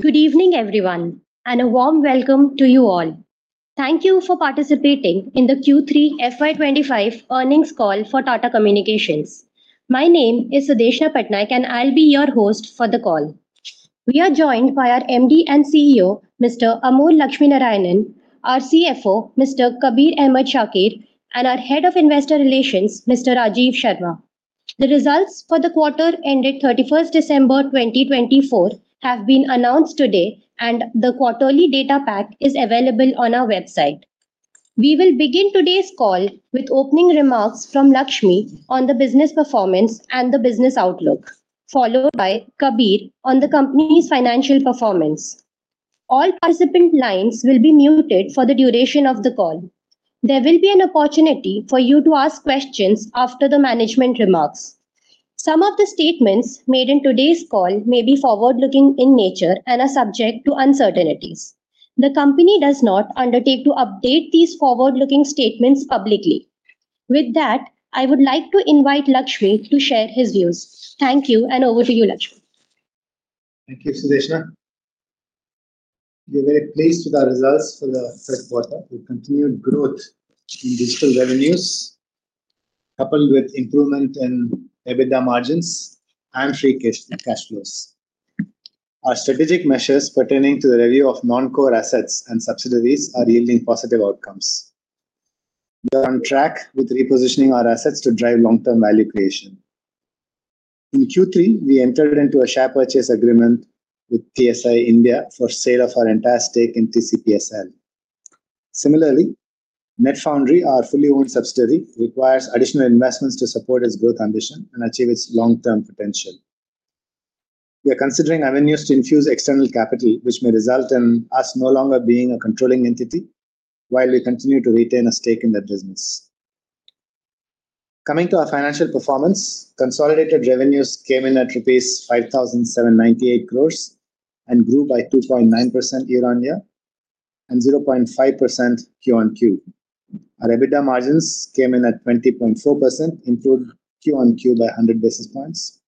Good evening, everyone, and a warm welcome to you all. Thank you for participating in the Q3 FY 2025 earnings call for Tata Communications. My name is Sudeshna Patnaik, and I'll be your host for the call. We are joined by our MD and CEO, Mr. Amur Lakshminarayanan, our CFO, Mr. Kabir Ahmed Shakir, and our Head of Investor Relations, Mr. Rajiv Sharma. The results for the quarter ended 31st December 2024 have been announced today, and the quarterly data pack is available on our website. We will begin today's call with opening remarks from Lakshmi on the business performance and the business outlook, followed by Kabir on the company's financial performance. All participant lines will be muted for the duration of the call. There will be an opportunity for you to ask questions after the management remarks. Some of the statements made in today's call may be forward-looking in nature and are subject to uncertainties. The company does not undertake to update these forward-looking statements publicly. With that, I would like to invite Lakshmi to share his views. Thank you, and over to you, Lakshmi. Thank you, Sudeshna. We are very pleased with our results for the third quarter. We continue growth in digital revenues, coupled with improvement in EBITDA margins and free cash flows. Our strategic measures pertaining to the review of non-core assets and subsidiaries are yielding positive outcomes. We are on track with repositioning our assets to drive long-term value creation. In Q3, we entered into a share purchase agreement with Tata Sons for sale of our entire stake in TCPSL. Similarly, NetFoundry, our fully owned subsidiary, requires additional investments to support its growth ambition and achieve its long-term potential. We are considering avenues to infuse external capital, which may result in us no longer being a controlling entity, while we continue to retain a stake in that business. Coming to our financial performance, consolidated revenues came in at rupees 5,798 crores and grew by 2.9% year-on-year and 0.5% Q on Q. Our EBITDA margins came in at 20.4%, improved Q on Q by 100 basis points,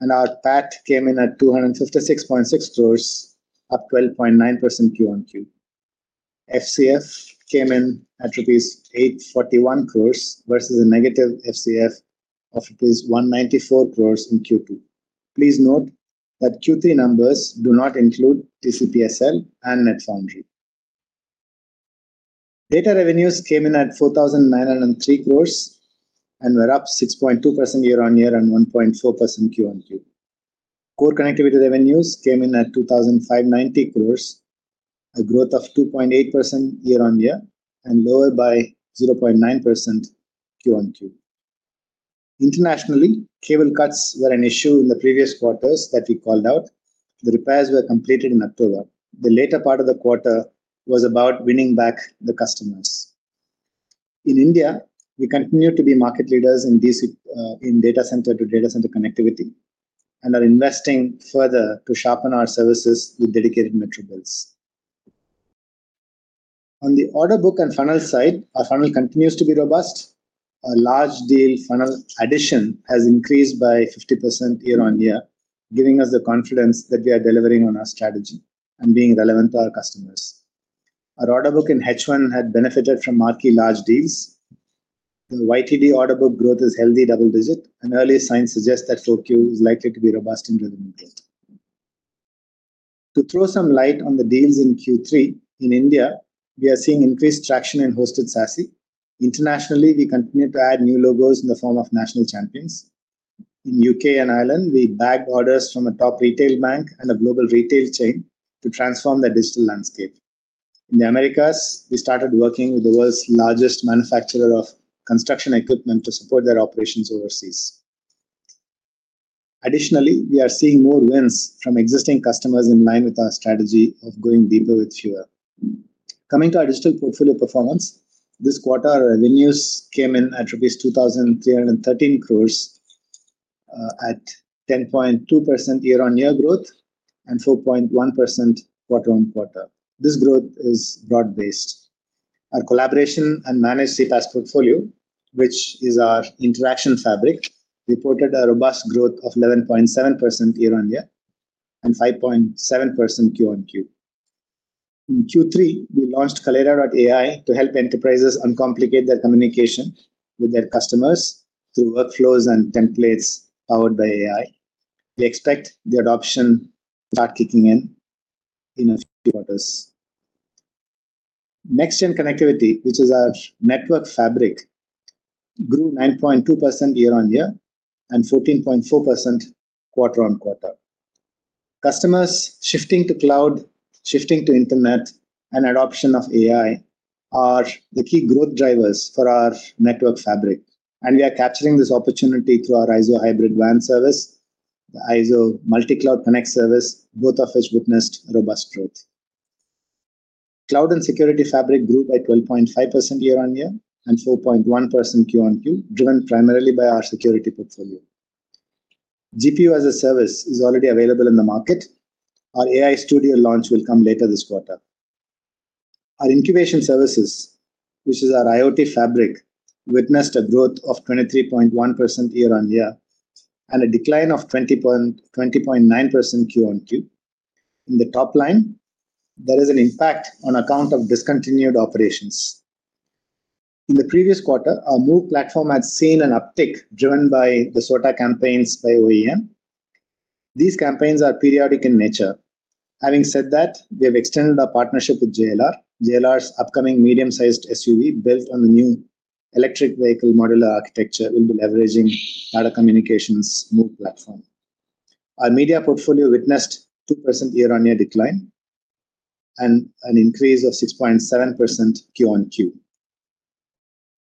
and our PAT came in at 256.6 crores, up 12.9% Q on Q. FCF came in at rupees 841 crores versus a negative FCF of rupees 194 crores in Q2. Please note that Q3 numbers do not include TCPSL and NetFoundry. Data revenues came in at 4,903 crores and were up 6.2% year-on-year and 1.4% Q on Q. Core connectivity revenues came in at 2,590 crores, a growth of 2.8% year-on-year and lower by 0.9% Q on Q. Internationally, cable cuts were an issue in the previous quarters that we called out. The repairs were completed in October. The later part of the quarter was about winning back the customers. In India, we continue to be market leaders in data center to data center connectivity and are investing further to sharpen our services with dedicated metro builds. On the order book and funnel side, our funnel continues to be robust. Our large deal funnel addition has increased by 50% year-on-year, giving us the confidence that we are delivering on our strategy and being relevant to our customers. Our order book in H1 had benefited from marquee large deals. The YTD order book growth is healthy, double-digit, and early signs suggest that 4Q is likely to be robust in revenue growth. To throw some light on the deals in Q3, in India, we are seeing increased traction in Hosted SASE. Internationally, we continue to add new logos in the form of national champions. In the U.K. and Ireland, we bagged orders from a top retail bank and a global retail chain to transform the digital landscape. In the Americas, we started working with the world's largest manufacturer of construction equipment to support their operations overseas. Additionally, we are seeing more wins from existing customers in line with our strategy of going deeper with fewer. Coming to our digital portfolio performance, this quarter, our revenues came in at rupees 2,313 crores at 10.2% year-on-year growth and 4.1% quarter-on-quarter. This growth is broad-based. Our collaboration and managed CPaaS portfolio, which is our Interaction Fabric, reported a robust growth of 11.7% year-on-year and 5.7% Q on Q. In Q3, we launched Kaleyra.io to help enterprises uncomplicate their communication with their customers through workflows and templates powered by AI. We expect the adoption to start kicking in in a few quarters. Next-gen connectivity, which is our Network Fabric, grew 9.2% year-on-year and 14.4% quarter-on-quarter. Customers shifting to cloud, shifting to internet, and adoption of AI are the key growth drivers for our Network Fabric. We are capturing this opportunity through our IZO Hybrid WAN service, the IZO Multi Cloud Connect service, both of which witnessed robust growth. Cloud and Security Fabric grew by 12.5% year-on-year and 4.1% Q on Q, driven primarily by our security portfolio. GPU as a service is already available in the market. Our AI Studio launch will come later this quarter. Our incubation services, which is our IoT Fabric, witnessed a growth of 23.1% year-on-year and a decline of 20.9% Q on Q. In the top line, there is an impact on account of discontinued operations. In the previous quarter, our MOVE platform had seen an uptick driven by the SOTA campaigns by OEM. These campaigns are periodic in nature. Having said that, we have extended our partnership with JLR. JLR's upcoming medium-sized SUV, built on the new electric vehicle modular architecture, will be leveraging our communications MOVE platform. Our media portfolio witnessed a 2% year-on-year decline and an increase of 6.7% Q on Q.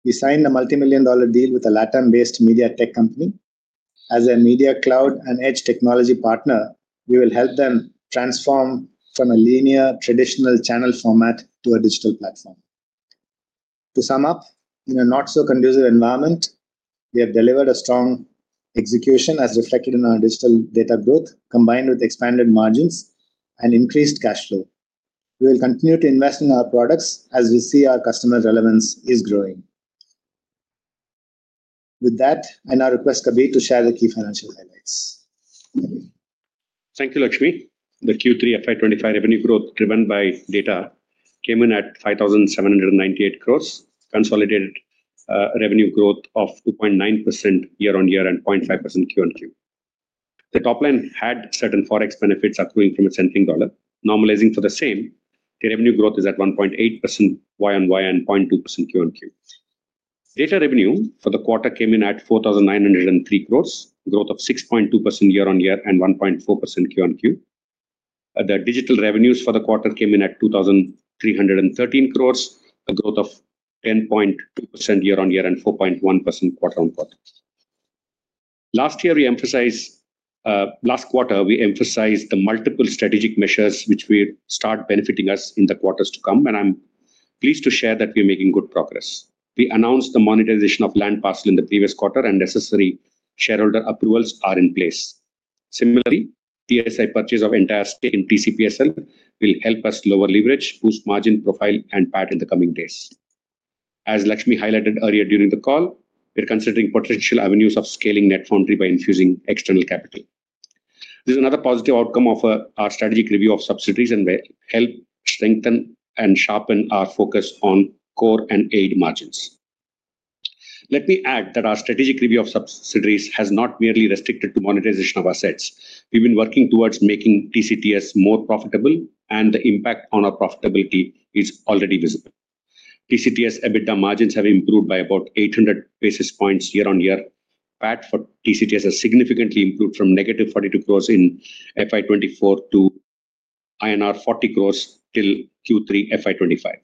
We signed a multi-million-dollar deal with a LATAM-based media tech company. As a media cloud and edge technology partner, we will help them transform from a linear traditional channel format to a digital platform. To sum up, in a not-so-conducive environment, we have delivered a strong execution, as reflected in our digital data growth, combined with expanded margins and increased cash flow. We will continue to invest in our products as we see our customer relevance is growing. With that, I now request Kabir to share the key financial highlights. Thank you, Lakshmi. The Q3 FY 2025 revenue growth driven by data came in at 5,798 crores, consolidated revenue growth of 2.9% year-on-year and 0.5% Q on Q. The top line had certain forex benefits accruing from its strengthening dollar. Normalizing for the same, the revenue growth is at 1.8% Y on Y and 0.2% Q on Q. Data revenue for the quarter came in at 4,903 crores, a growth of 6.2% year-on-year and 1.4% Q on Q. The digital revenues for the quarter came in at 2,313 crores, a growth of 10.2% year-on-year and 4.1% quarter-on-quarter. Last quarter, we emphasized the multiple strategic measures which will start benefiting us in the quarters to come, and I'm pleased to share that we are making good progress. We announced the monetization of land parcel in the previous quarter, and necessary shareholder approvals are in place. Similarly, Tata Sons' purchase of entire stake in TCPSL will help us lower leverage, boost margin profile, and PAT in the coming days. As Lakshmi highlighted earlier during the call, we're considering potential avenues of scaling NetFoundry by infusing external capital. This is another positive outcome of our strategic review of subsidiaries and will help strengthen and sharpen our focus on core and aid margins. Let me add that our strategic review of subsidiaries has not merely been restricted to monetization of assets. We've been working towards making TCTS more profitable, and the impact on our profitability is already visible. TCTS EBITDA margins have improved by about 800 basis points year-on-year. PAT for TCTS has significantly improved from negative 42 crores in FY 2024 to INR 40 crores till Q3 FY 2025.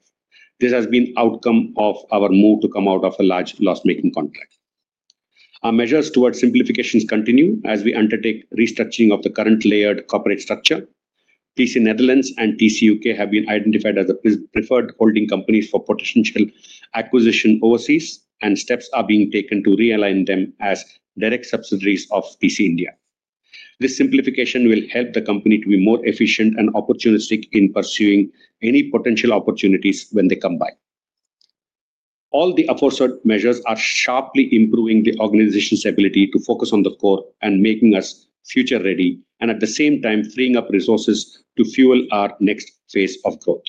This has been the outcome of our move to come out of a large loss-making contract. Our measures towards simplifications continue as we undertake restructuring of the current layered corporate structure. TC Netherlands and TC U.K. have been identified as the preferred holding companies for potential acquisition overseas, and steps are being taken to realign them as direct subsidiaries of TC India. This simplification will help the company to be more efficient and opportunistic in pursuing any potential opportunities when they come by. All the aforesaid measures are sharply improving the organization's ability to focus on the core and making us future-ready, and at the same time, freeing up resources to fuel our next phase of growth.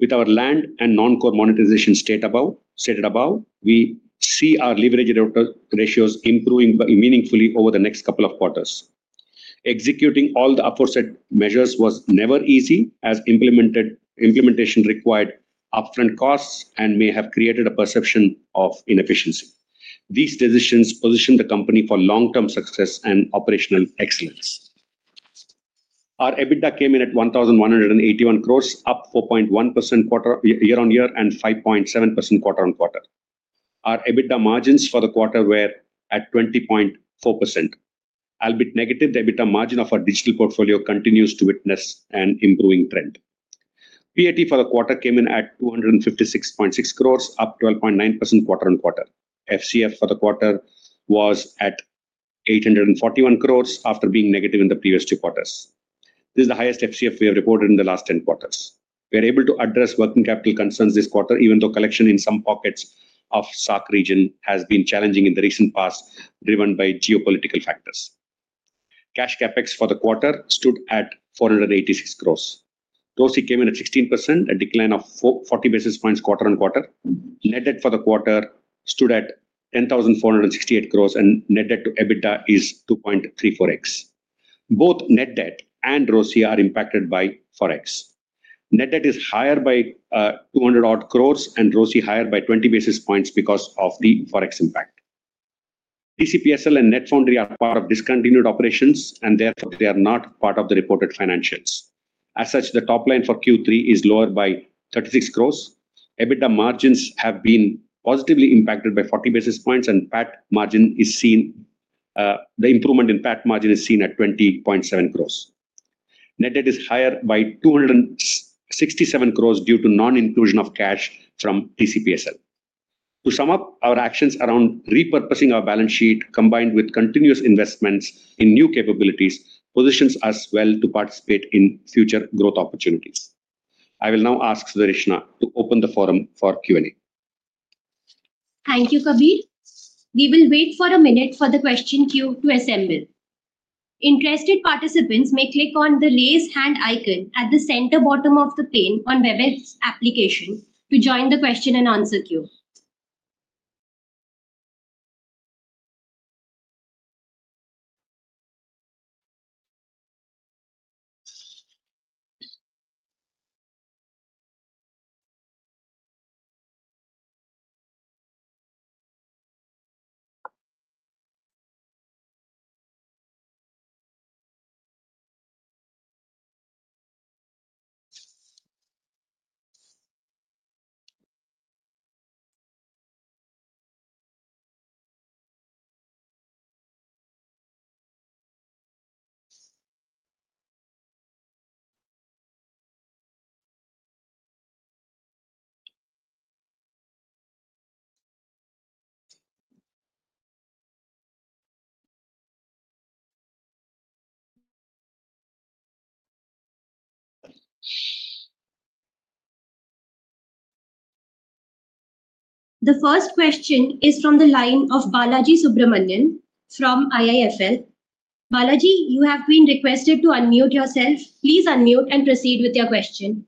With our land and non-core monetization stated above, we see our leverage ratios improving meaningfully over the next couple of quarters. Executing all the aforesaid measures was never easy, as implementation required upfront costs and may have created a perception of inefficiency. These decisions position the company for long-term success and operational excellence. Our EBITDA came in at 1,181 crores, up 4.1% year-on-year and 5.7% quarter-on-quarter. Our EBITDA margins for the quarter were at 20.4%. Albeit negative, the EBITDA margin of our digital portfolio continues to witness an improving trend. PAT for the quarter came in at 256.6 crores, up 12.9% quarter-on-quarter. FCF for the quarter was at 841 crores after being negative in the previous two quarters. This is the highest FCF we have reported in the last 10 quarters. We are able to address working capital concerns this quarter, even though collection in some pockets of SAARC region has been challenging in the recent past, driven by geopolitical factors. Cash CapEx for the quarter stood at 486 crores. ROCE came in at 16%, a decline of 40 basis points quarter-on-quarter. Net debt for the quarter stood at 10,468 crores, and net debt to EBITDA is 2.34x. Both net debt and ROCE are impacted by forex. Net debt is higher by 200-odd crores and ROCE higher by 20 basis points because of the forex impact. TCPSL and NetFoundry are part of discontinued operations, and therefore, they are not part of the reported financials. As such, the top line for Q3 is lower by 36 crores. EBITDA margins have been positively impacted by 40 basis points, and the improvement in PAT margin is seen at 20.7 crores. Net debt is higher by 267 crores due to non-inclusion of cash from TCPSL. To sum up, our actions around repurposing our balance sheet, combined with continuous investments in new capabilities, positions us well to participate in future growth opportunities. I will now ask Sudeshna to open the forum for Q&A. Thank you, Kabir. We will wait for a minute for the question queue to assemble. Interested participants may click on the raise hand icon at the center bottom of the pane on the Webex application to join the question and answer queue. The first question is from the line of Balaji Subramanian from IIFL. Balaji, you have been requested to unmute yourself. Please unmute and proceed with your question.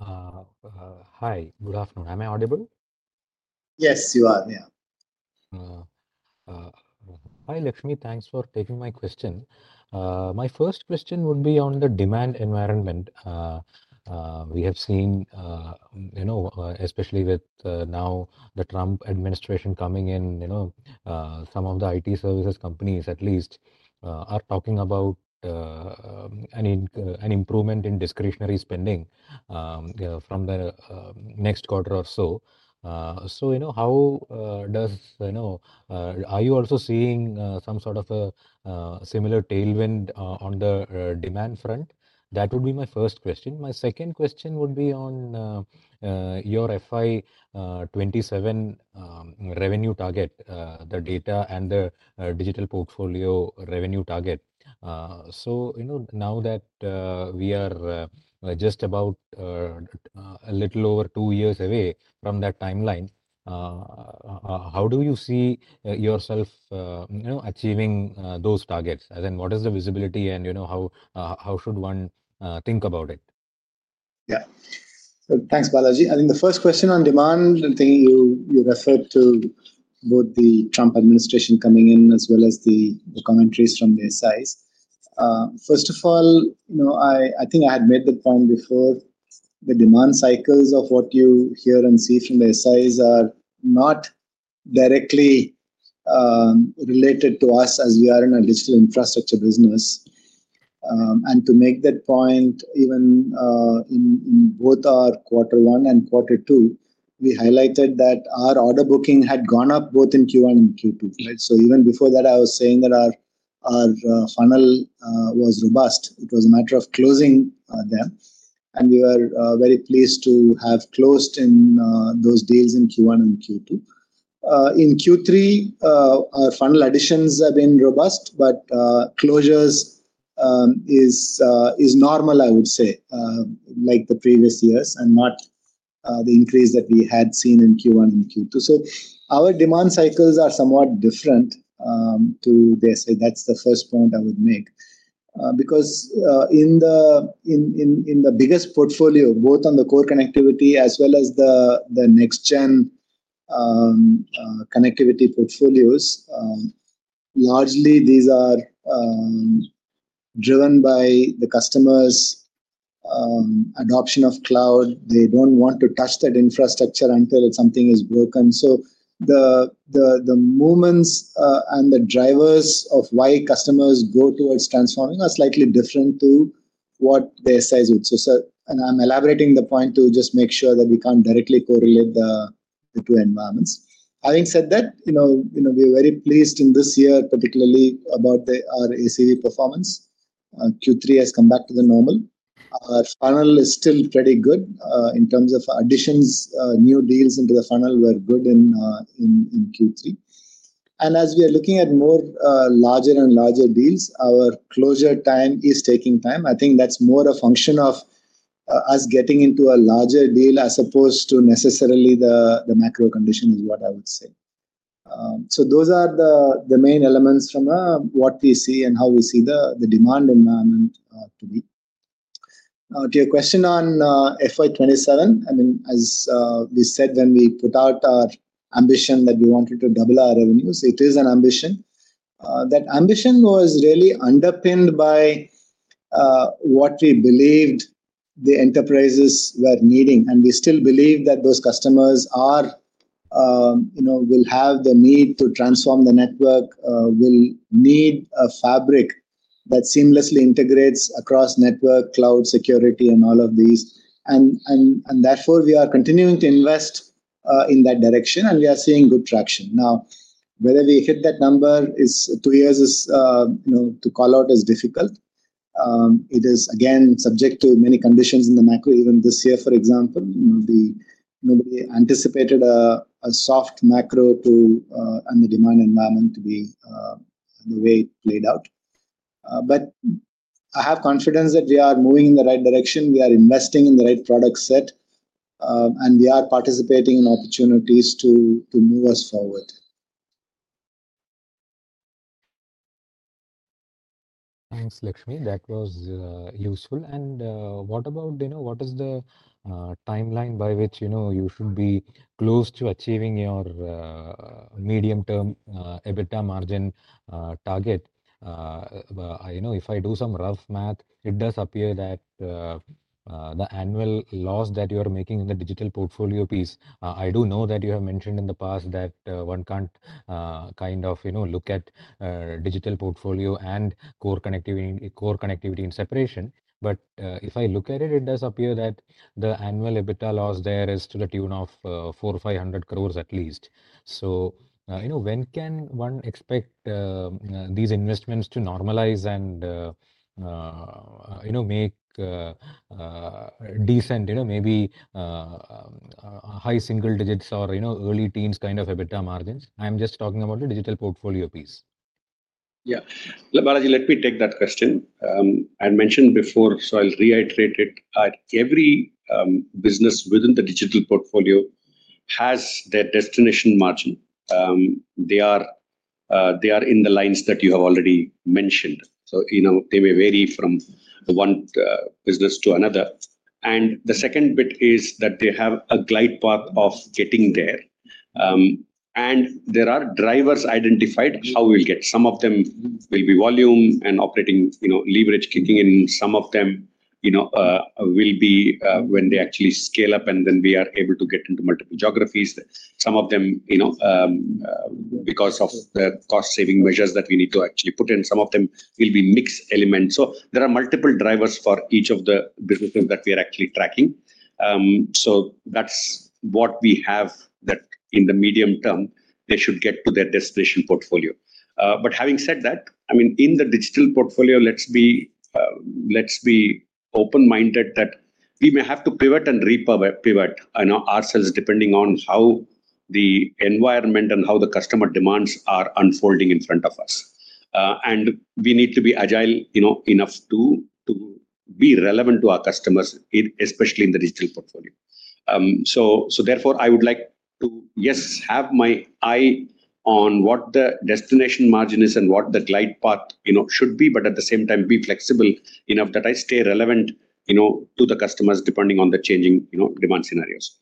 Hi, good afternoon. Am I audible? Yes, you are. Yeah. Hi, Lakshmi. Thanks for taking my question. My first question would be on the demand environment. We have seen, especially with now the Trump administration coming in, some of the IT services companies, at least, are talking about an improvement in discretionary spending from the next quarter or so. So how are you also seeing some sort of a similar tailwind on the demand front? That would be my first question. My second question would be on your FY 2027 revenue target, the data and the digital portfolio revenue target. So now that we are just about a little over two years away from that timeline, how do you see yourself achieving those targets? And what is the visibility and how should one think about it? Yeah. Thanks, Balaji. I think the first question on demand, I think you referred to both the Trump administration coming in as well as the commentaries from the SIs. First of all, I think I had made the point before, the demand cycles of what you hear and see from the SIs are not directly related to us as we are in a digital infrastructure business. And to make that point, even in both our quarter one and quarter two, we highlighted that our order booking had gone up both in Q1 and Q2. So even before that, I was saying that our funnel was robust. It was a matter of closing them. And we were very pleased to have closed those deals in Q1 and Q2. In Q3, our funnel additions have been robust, but closures is normal, I would say, like the previous years and not the increase that we had seen in Q1 and Q2, so our demand cycles are somewhat different to this. That's the first point I would make. Because in the biggest portfolio, both on the core connectivity as well as the next-gen connectivity portfolios, largely these are driven by the customer's adoption of cloud. They don't want to touch that infrastructure until something is broken, so the moments and the drivers of why customers go towards transforming are slightly different to what the SIs would, and I'm elaborating the point to just make sure that we can't directly correlate the two environments. Having said that, we are very pleased in this year, particularly about our ACV performance. Q3 has come back to the normal. Our funnel is still pretty good in terms of additions. New deals into the funnel were good in Q3. And as we are looking at more larger and larger deals, our closure time is taking time. I think that's more a function of us getting into a larger deal as opposed to necessarily the macro condition, is what I would say. So those are the main elements from what we see and how we see the demand environment to be. To your question on FY 2027, I mean, as we said when we put out our ambition that we wanted to double our revenues, it is an ambition. That ambition was really underpinned by what we believed the enterprises were needing. And we still believe that those customers will have the need to transform the network, will need a fabric that seamlessly integrates across network, cloud, security, and all of these. And therefore, we are continuing to invest in that direction, and we are seeing good traction. Now, whether we hit that number in two years to call out is difficult. It is, again, subject to many conditions in the macro, even this year, for example. Nobody anticipated a soft macro to the demand environment to be the way it played out. But I have confidence that we are moving in the right direction. We are investing in the right product set, and we are participating in opportunities to move us forward. Thanks, Lakshmi. That was useful. And what about what is the timeline by which you should be close to achieving your medium-term EBITDA margin target? If I do some rough math, it does appear that the annual loss that you are making in the digital portfolio piece. I do know that you have mentioned in the past that one can't kind of look at digital portfolio and core connectivity in separation. But if I look at it, it does appear that the annual EBITDA loss there is to the tune of 400 crores-500 crores at least. So when can one expect these investments to normalize and make decent, maybe high single digits or early teens kind of EBITDA margins? I'm just talking about the digital portfolio piece. Yeah. Balaji, let me take that question. I mentioned before, so I'll reiterate it. Every business within the digital portfolio has their destination margin. They are in the lines that you have already mentioned. So they may vary from one business to another, and the second bit is that they have a glide path of getting there. And there are drivers identified how we'll get. Some of them will be volume and operating leverage kicking in. Some of them will be when they actually scale up, and then we are able to get into multiple geographies. Some of them, because of the cost-saving measures that we need to actually put in, some of them will be mixed elements. So there are multiple drivers for each of the businesses that we are actually tracking. So that's what we have that in the medium term, they should get to their destination portfolio. But having said that, I mean, in the digital portfolio, let's be open-minded that we may have to pivot and repivot ourselves depending on how the environment and how the customer demands are unfolding in front of us. And we need to be agile enough to be relevant to our customers, especially in the digital portfolio. So therefore, I would like to, yes, have my eye on what the destination margin is and what the glide path should be, but at the same time, be flexible enough that I stay relevant to the customers depending on the changing demand scenarios.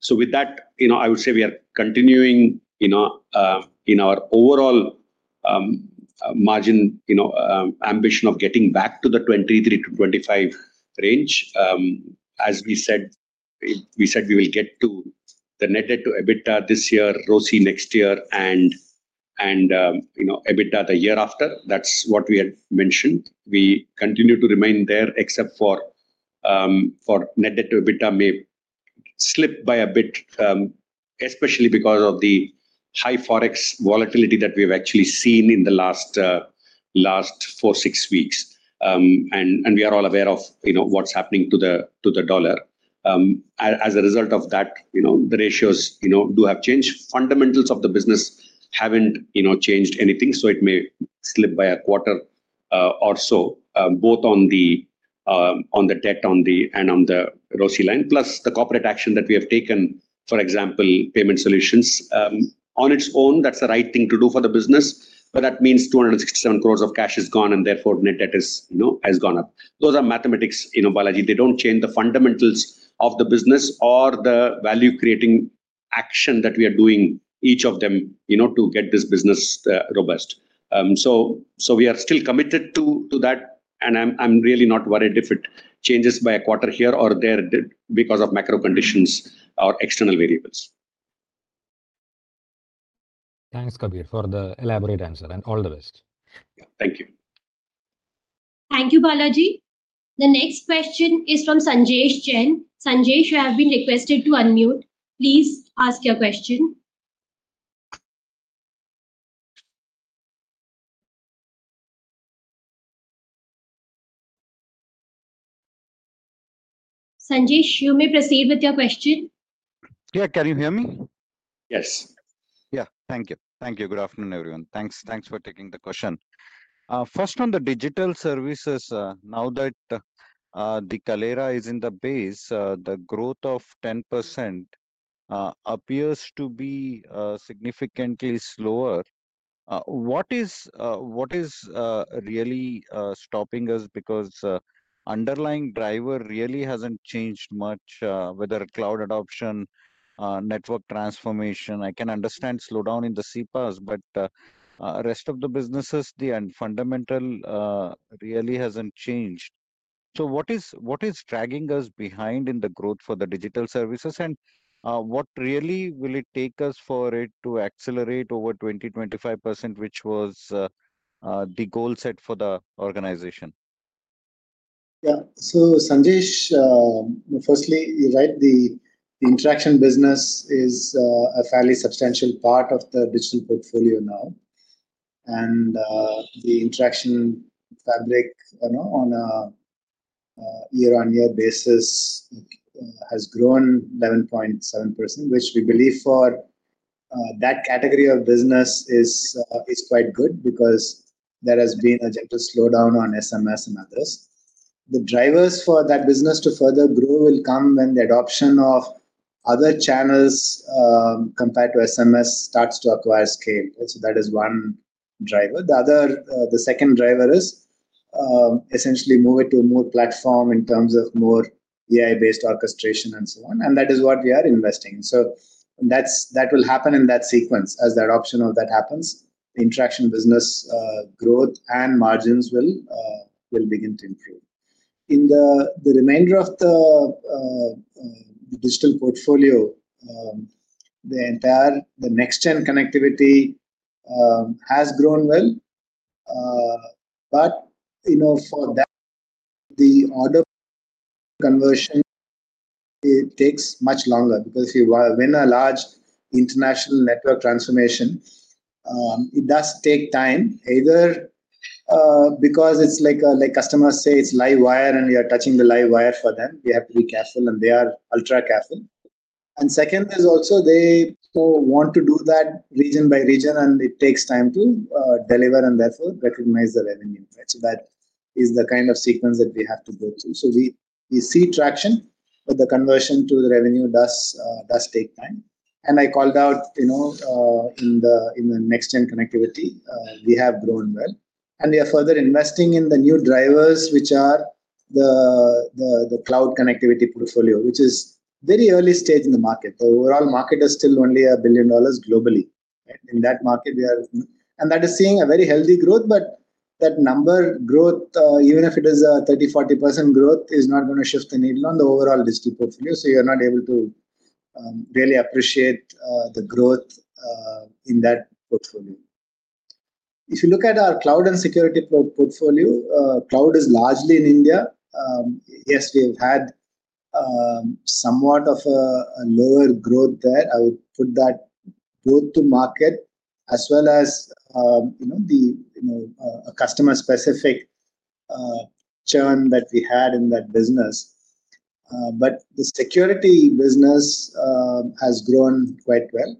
So with that, I would say we are continuing in our overall margin ambition of getting back to the 23%-25% range. As we said, we will get to the net debt to EBITDA this year, ROCE next year, and EBITDA the year after. That's what we had mentioned. We continue to remain there, except for net debt to EBITDA may slip by a bit, especially because of the high Forex volatility that we have actually seen in the last four, six weeks. And we are all aware of what's happening to the dollar. As a result of that, the ratios do have changed. Fundamentals of the business haven't changed anything, so it may slip by a quarter or so, both on the debt and on the ROCE line, plus the corporate action that we have taken, for example, payment solutions. On its own, that's the right thing to do for the business. But that means 267 crores of cash is gone, and therefore, net debt has gone up. Those are mathematics, Balaji. They don't change the fundamentals of the business or the value-creating action that we are doing, each of them, to get this business robust. So we are still committed to that, and I'm really not worried if it changes by a quarter here or there because of macro conditions or external variables. Thanks, Kabir, for the elaborate answer, and all the best. Thank you. Thank you, Balaji. The next question is from Sanjesh Jain. Sanjesh, you have been requested to unmute. Please ask your question. Sanjesh, you may proceed with your question. Yeah. Can you hear me? Yes. Yeah. Thank you. Thank you. Good afternoon, everyone. Thanks for taking the question. First, on the digital services, now that the Kaleyra is in the base, the growth of 10% appears to be significantly slower. What is really stopping us? Because the underlying driver really hasn't changed much, whether cloud adoption, network transformation. I can understand slowdown in the CPaaS, but the rest of the businesses, the fundamental really hasn't changed. So what is dragging us behind in the growth for the digital services? And what really will it take us for it to accelerate over 20%-25%, which was the goal set for the organization? Yeah. So Sanjesh, firstly, you're right. The interaction business is a fairly substantial part of the digital portfolio now, and the Interaction Fabric on a year-on-year basis has grown 11.7%, which we believe for that category of business is quite good because there has been a gentle slowdown on SMS and others. The drivers for that business to further grow will come when the adoption of other channels compared to SMS starts to acquire scale. So that is one driver. The second driver is essentially moving to a more platform in terms of more AI-based orchestration and so on, and that is what we are investing in. So that will happen in that sequence. As the adoption of that happens, the interaction business growth and margins will begin to improve. In the remainder of the digital portfolio, the next-gen connectivity has grown well. But for that, the order conversion takes much longer. Because when a large international network transformation, it does take time, either because it's like customers say it's live wire, and we are touching the live wire for them. We have to be careful, and they are ultra careful. And second is also they want to do that region by region, and it takes time to deliver and therefore recognize the revenue. So that is the kind of sequence that we have to go through. So we see traction, but the conversion to the revenue does take time. And I called out in the next-gen connectivity, we have grown well. And we are further investing in the new drivers, which are the cloud connectivity portfolio, which is very early stage in the market. The overall market is still only $1 billion globally. In that market, we are and that is seeing a very healthy growth. But that number growth, even if it is a 30%-40% growth, is not going to shift the needle on the overall digital portfolio. So you're not able to really appreciate the growth in that portfolio. If you look at our Cloud and Security portfolio, cloud is largely in India. Yes, we have had somewhat of a lower growth there. I would put that growth to market as well as the customer-specific churn that we had in that business. But the security business has grown quite well.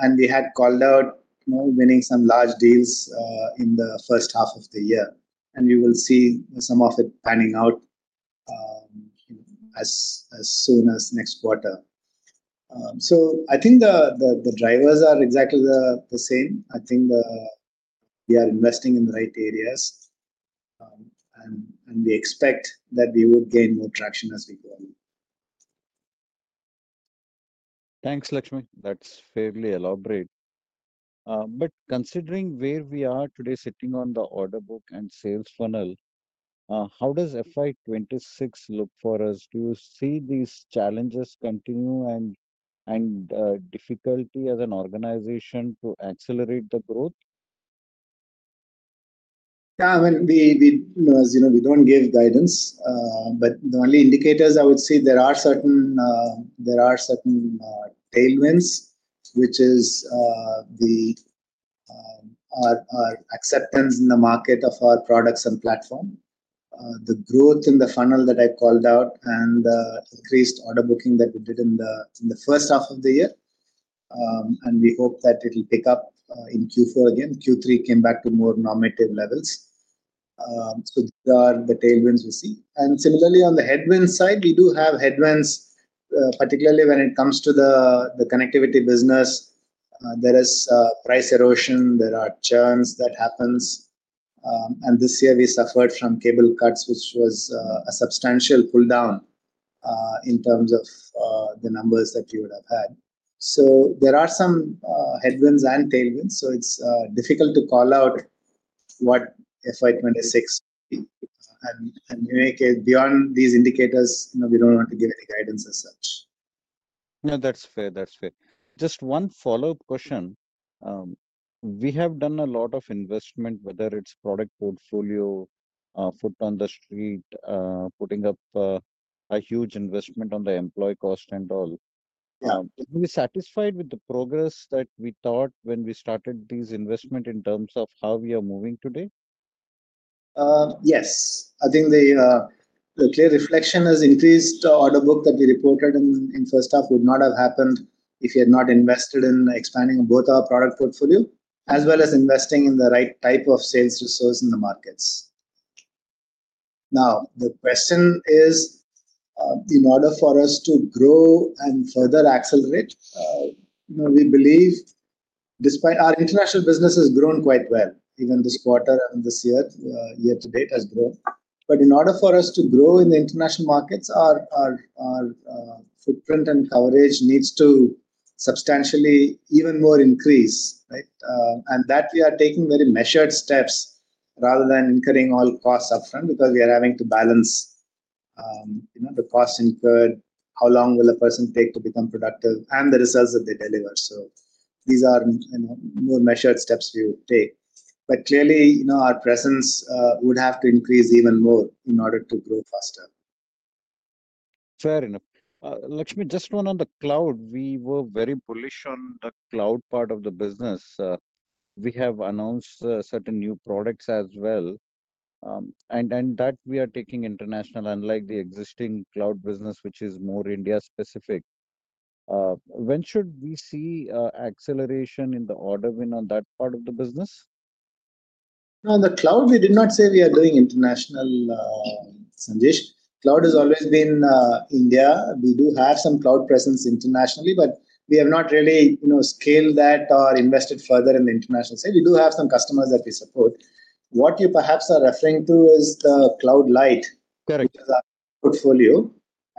And we had called out winning some large deals in the first half of the year. And we will see some of it panning out as soon as next quarter. So I think the drivers are exactly the same. I think we are investing in the right areas. We expect that we would gain more traction as we go on. Thanks, Lakshmi. That's fairly elaborate. But considering where we are today sitting on the order book and sales funnel, how does FY 2026 look for us? Do you see these challenges continue and difficulty as an organization to accelerate the growth? Yeah. I mean, as you know, we don't give guidance. But the only indicators I would see, there are certain tailwinds, which is our acceptance in the market of our products and platform, the growth in the funnel that I called out, and the increased order booking that we did in the first half of the year. And we hope that it'll pick up in Q4 again. Q3 came back to more normative levels. So these are the tailwinds we see. And similarly, on the headwinds side, we do have headwinds, particularly when it comes to the connectivity business. There is price erosion. There are churns that happen. And this year, we suffered from cable cuts, which was a substantial pull down in terms of the numbers that we would have had. So there are some headwinds and tailwinds. So it's difficult to call out what FY 2026 will be. Beyond these indicators, we don't want to give any guidance as such. No, that's fair. That's fair. Just one follow-up question. We have done a lot of investment, whether it's product portfolio, foot on the street, putting up a huge investment on the employee cost and all. Are we satisfied with the progress that we thought when we started these investments in terms of how we are moving today? Yes. I think the clear reflection has increased. The order book that we reported in first half would not have happened if we had not invested in expanding both our product portfolio as well as investing in the right type of sales resource in the markets. Now, the question is, in order for us to grow and further accelerate, we believe our international business has grown quite well, even this quarter and this year. year-to-date has grown. But in order for us to grow in the international markets, our footprint and coverage needs to substantially even more increase. And that we are taking very measured steps rather than incurring all costs upfront because we are having to balance the costs incurred, how long will a person take to become productive, and the results that they deliver. So these are more measured steps we will take. But clearly, our presence would have to increase even more in order to grow faster. Fair enough. Lakshmi, just one on the cloud. We were very bullish on the cloud part of the business. We have announced certain new products as well, and that we are taking international, unlike the existing cloud business, which is more India-specific. When should we see acceleration in the order win on that part of the business? On the cloud, we did not say we are doing international, Sanjesh. Cloud has always been India. We do have some cloud presence internationally, but we have not really scaled that or invested further in the international side. We do have some customers that we support. What you perhaps are referring to is the CloudLyte portfolio.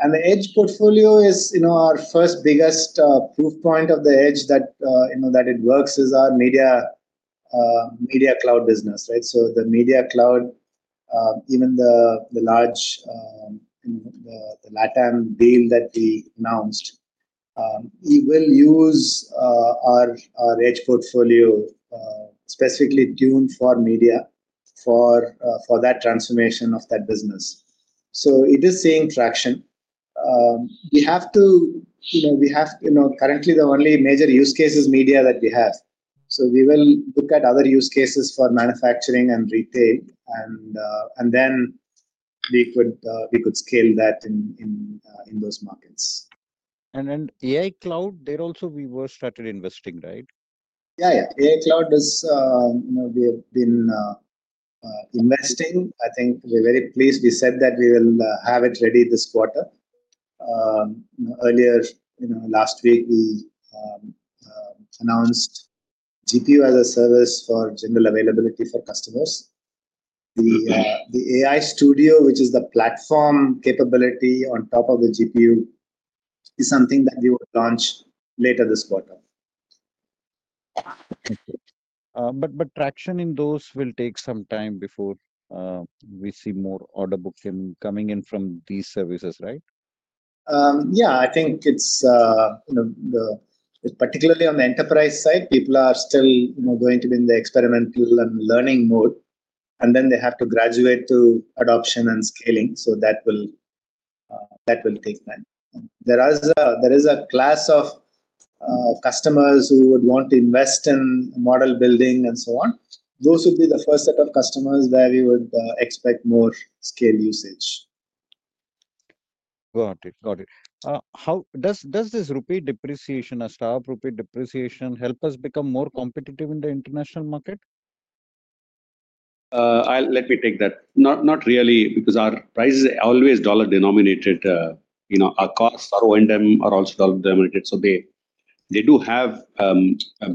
The Edge portfolio is our first biggest proof point of the Edge that it works. It is our media cloud business. The media cloud, even the large LATAM deal that we announced, we will use our Edge portfolio specifically tuned for media for that transformation of that business. It is seeing traction. We have to. Currently the only major use case is media that we have. We will look at other use cases for manufacturing and retail. Then we could scale that in those markets. And then AI cloud, there also we were started investing, right? Yeah. Yeah. AI cloud is we have been investing. I think we're very pleased. We said that we will have it ready this quarter. Earlier last week, we announced GPU as a service for general availability for customers. The AI Studio, which is the platform capability on top of the GPU, is something that we will launch later this quarter. But traction in those will take some time before we see more order booking coming in from these services, right? Yeah. I think it's particularly on the enterprise side, people are still going to be in the experimental and learning mode. And then they have to graduate to adoption and scaling. So that will take time. There is a class of customers who would want to invest in model building and so on. Those would be the first set of customers where we would expect more scale usage. Got it. Got it. Does this rupee depreciation, a sharp rupee depreciation, help us become more competitive in the international market? Let me take that. Not really, because our price is always dollar denominated. Our costs, our O&M, are also dollar denominated. So they do have a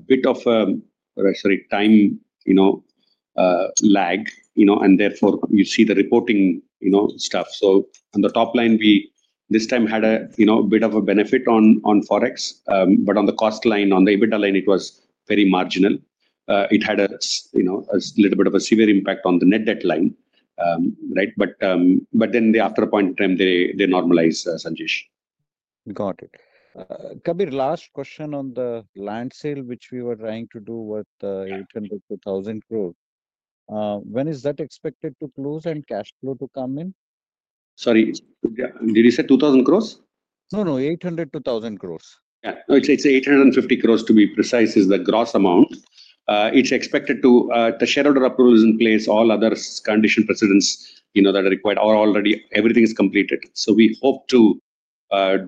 bit of, sorry, time lag. And therefore, you see the reporting stuff. So on the top line, we this time had a bit of a benefit on Forex. But on the cost line, on the EBITDA line, it was very marginal. It had a little bit of a severe impact on the net debt line. But then after a point in time, they normalize, Sanjesh. Got it. Kabir, last question on the land sale, which we were trying to do with 800 crore-1,000 crore. When is that expected to close and cash flow to come in? Sorry. Did you say 2,000 crores? No, no. 800 crores-1,000 crores. Yeah. It's 850 crores, to be precise, is the gross amount. It's expected to the shareholder approval is in place. All other conditions precedent that are required are already everything is completed. So we hope to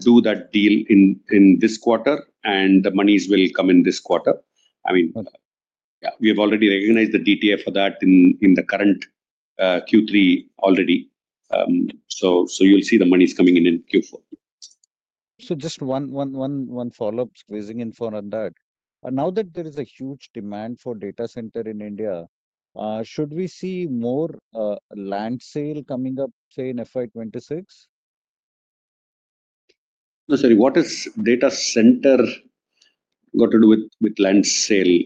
do that deal in this quarter. And the monies will come in this quarter. I mean, yeah, we have already recognized the DTA for that in the current Q3 already. So you'll see the monies coming in in Q4. So, just one follow-up, squeezing in for another now that there is a huge demand for data center in India, should we see more land sale coming up, say, in FY 2026? No, sorry. What is data center got to do with land sale?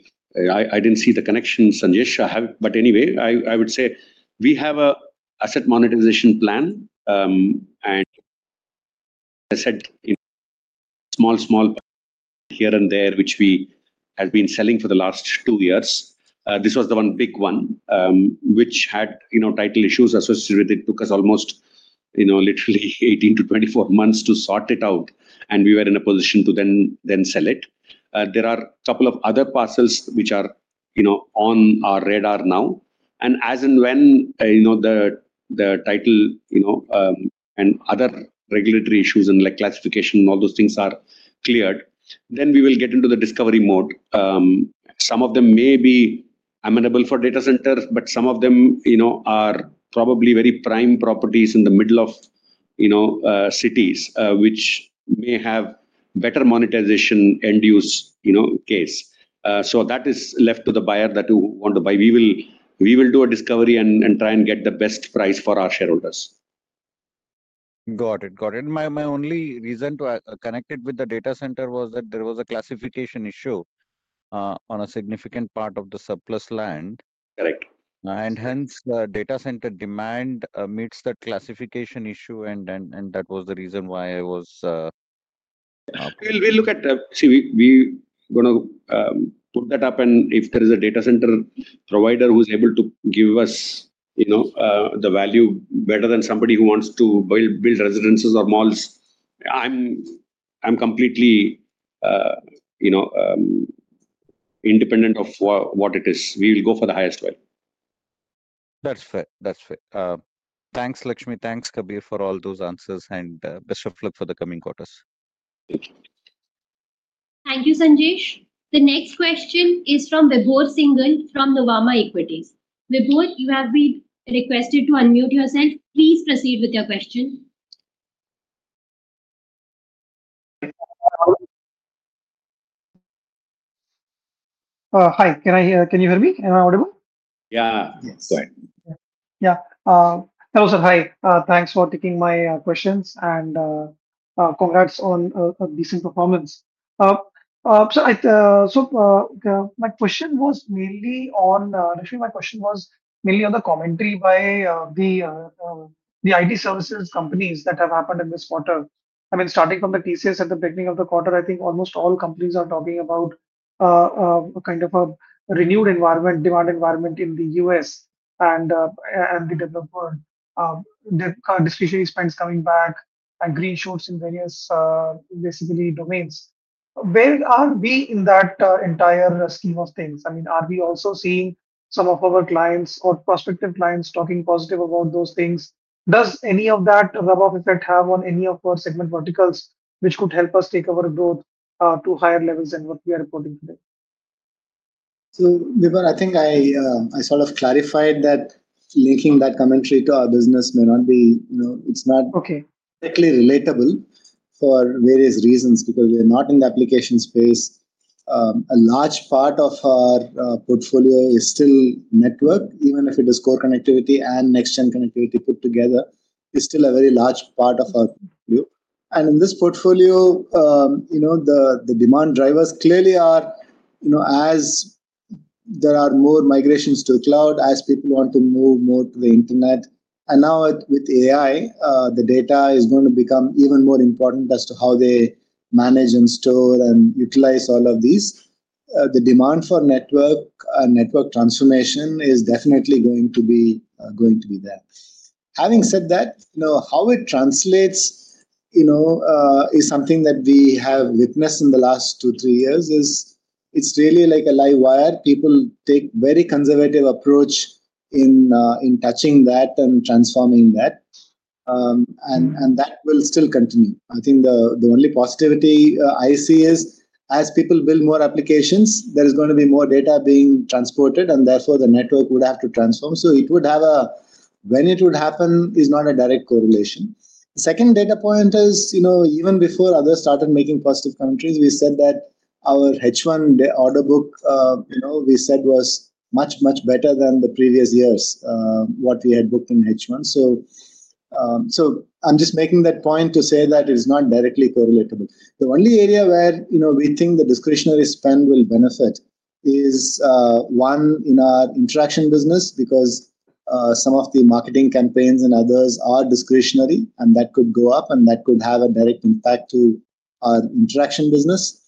I didn't see the connection, Sanjesh, but anyway, I would say we have an asset monetization plan, and as I said, small, small here and there, which we have been selling for the last two years. This was the one big one, which had title issues associated with it. It took us almost literally 18-24 months to sort it out, and we were in a position to then sell it. There are a couple of other parcels which are on our radar now, and as and when the title and other regulatory issues and classification and all those things are cleared, then we will get into the discovery mode. Some of them may be amenable for data centers, but some of them are probably very prime properties in the middle of cities, which may have better monetization end-use case. So that is left to the buyer that you want to buy. We will do a discovery and try and get the best price for our shareholders. Got it. Got it. My only reason to connect it with the data center was that there was a classification issue on a significant part of the surplus land. Correct. And hence, the data center demand meets that classification issue. And that was the reason why I was. We'll look at that. See, we're going to put that up. And if there is a data center provider who's able to give us the value better than somebody who wants to build residences or malls, I'm completely independent of what it is. We will go for the highest value. That's fair. That's fair. Thanks, Lakshmi. Thanks, Kabir, for all those answers. And best of luck for the coming quarters. Thank you, Sanjesh. The next question is from Vibhor Singhal from Nuvama Equities. Vibhor, you have been requested to unmute yourself. Please proceed with your question. Hi. Can you hear me? Am I audible? Yeah. Sorry. Yeah. Hello, sir. Hi. Thanks for taking my questions. And congrats on a decent performance. So my question was mainly on the commentary by the IT services companies that have happened in this quarter. I mean, starting from the TCS at the beginning of the quarter, I think almost all companies are talking about kind of a renewed environment, demand environment in the U.S. and the distribution spans coming back and green shoots in various basically domains. Where are we in that entire scheme of things? I mean, are we also seeing some of our clients or prospective clients talking positive about those things? Does any of that rub off effect have on any of our segment verticals, which could help us take our growth to higher levels than what we are reporting today? So, Vibhor, I think I sort of clarified that linking that commentary to our business may not be. It's not directly relatable for various reasons because we are not in the application space. A large part of our portfolio is still network, even if it is core connectivity and next-gen connectivity put together, is still a very large part of our portfolio. And in this portfolio, the demand drivers clearly are, as there are more migrations to the cloud, as people want to move more to the internet. And now with AI, the data is going to become even more important as to how they manage and store and utilize all of these. The demand for network and network transformation is definitely going to be there. Having said that, how it translates is something that we have witnessed in the last two, three years: it's really like a live wire. People take a very conservative approach in touching that and transforming that, and that will still continue. I think the only positivity I see is as people build more applications, there is going to be more data being transported, and therefore, the network would have to transform. So, it would have a when it would happen is not a direct correlation. The second data point is even before others started making positive commentaries: we said that our H1 order book, we said, was much, much better than the previous years, what we had booked in H1. I'm just making that point to say that it is not directly correlatable. The only area where we think the discretionary spend will benefit is one in our interaction business because some of the marketing campaigns and others are discretionary. And that could go up. And that could have a direct impact to our interaction business.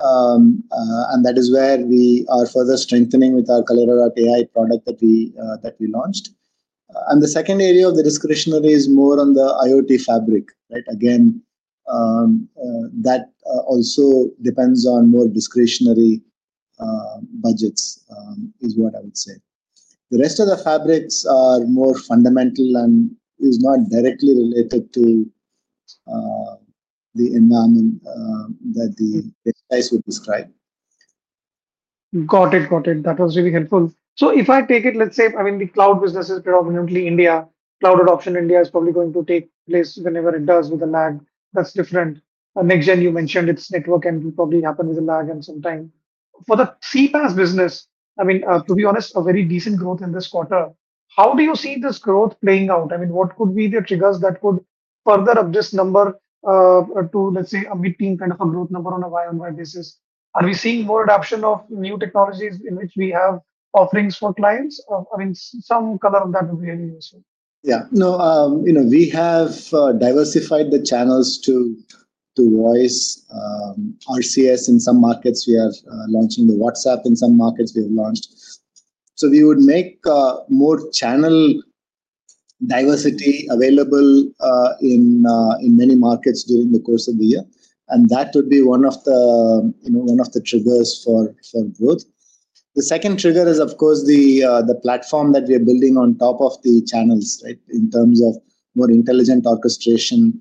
And that is where we are further strengthening with our Kaleyra.io product that we launched. And the second area of the discretionary is more on the IoT Fabric. Again, that also depends on more discretionary budgets is what I would say. The rest of the fabrics are more fundamental and is not directly related to the environment that the data space would describe. Got it. Got it. That was really helpful. So if I take it, let's say, I mean, the cloud business is predominantly India. Cloud adoption in India is probably going to take place whenever it does with the lag. That's different. Next-gen, you mentioned its network can probably happen with a lag and some time. For the CPaaS business, I mean, to be honest, a very decent growth in this quarter. How do you see this growth playing out? I mean, what could be the triggers that could further up this number to, let's say, a mid-teens kind of a growth number on a Y on Y basis? Are we seeing more adoption of new technologies in which we have offerings for clients? I mean, some color on that would be really useful. Yeah. No, we have diversified the channels to voice, RCS in some markets. We are launching the WhatsApp in some markets we have launched. So we would make more channel diversity available in many markets during the course of the year. And that would be one of the triggers for growth. The second trigger is, of course, the platform that we are building on top of the channels in terms of more intelligent orchestration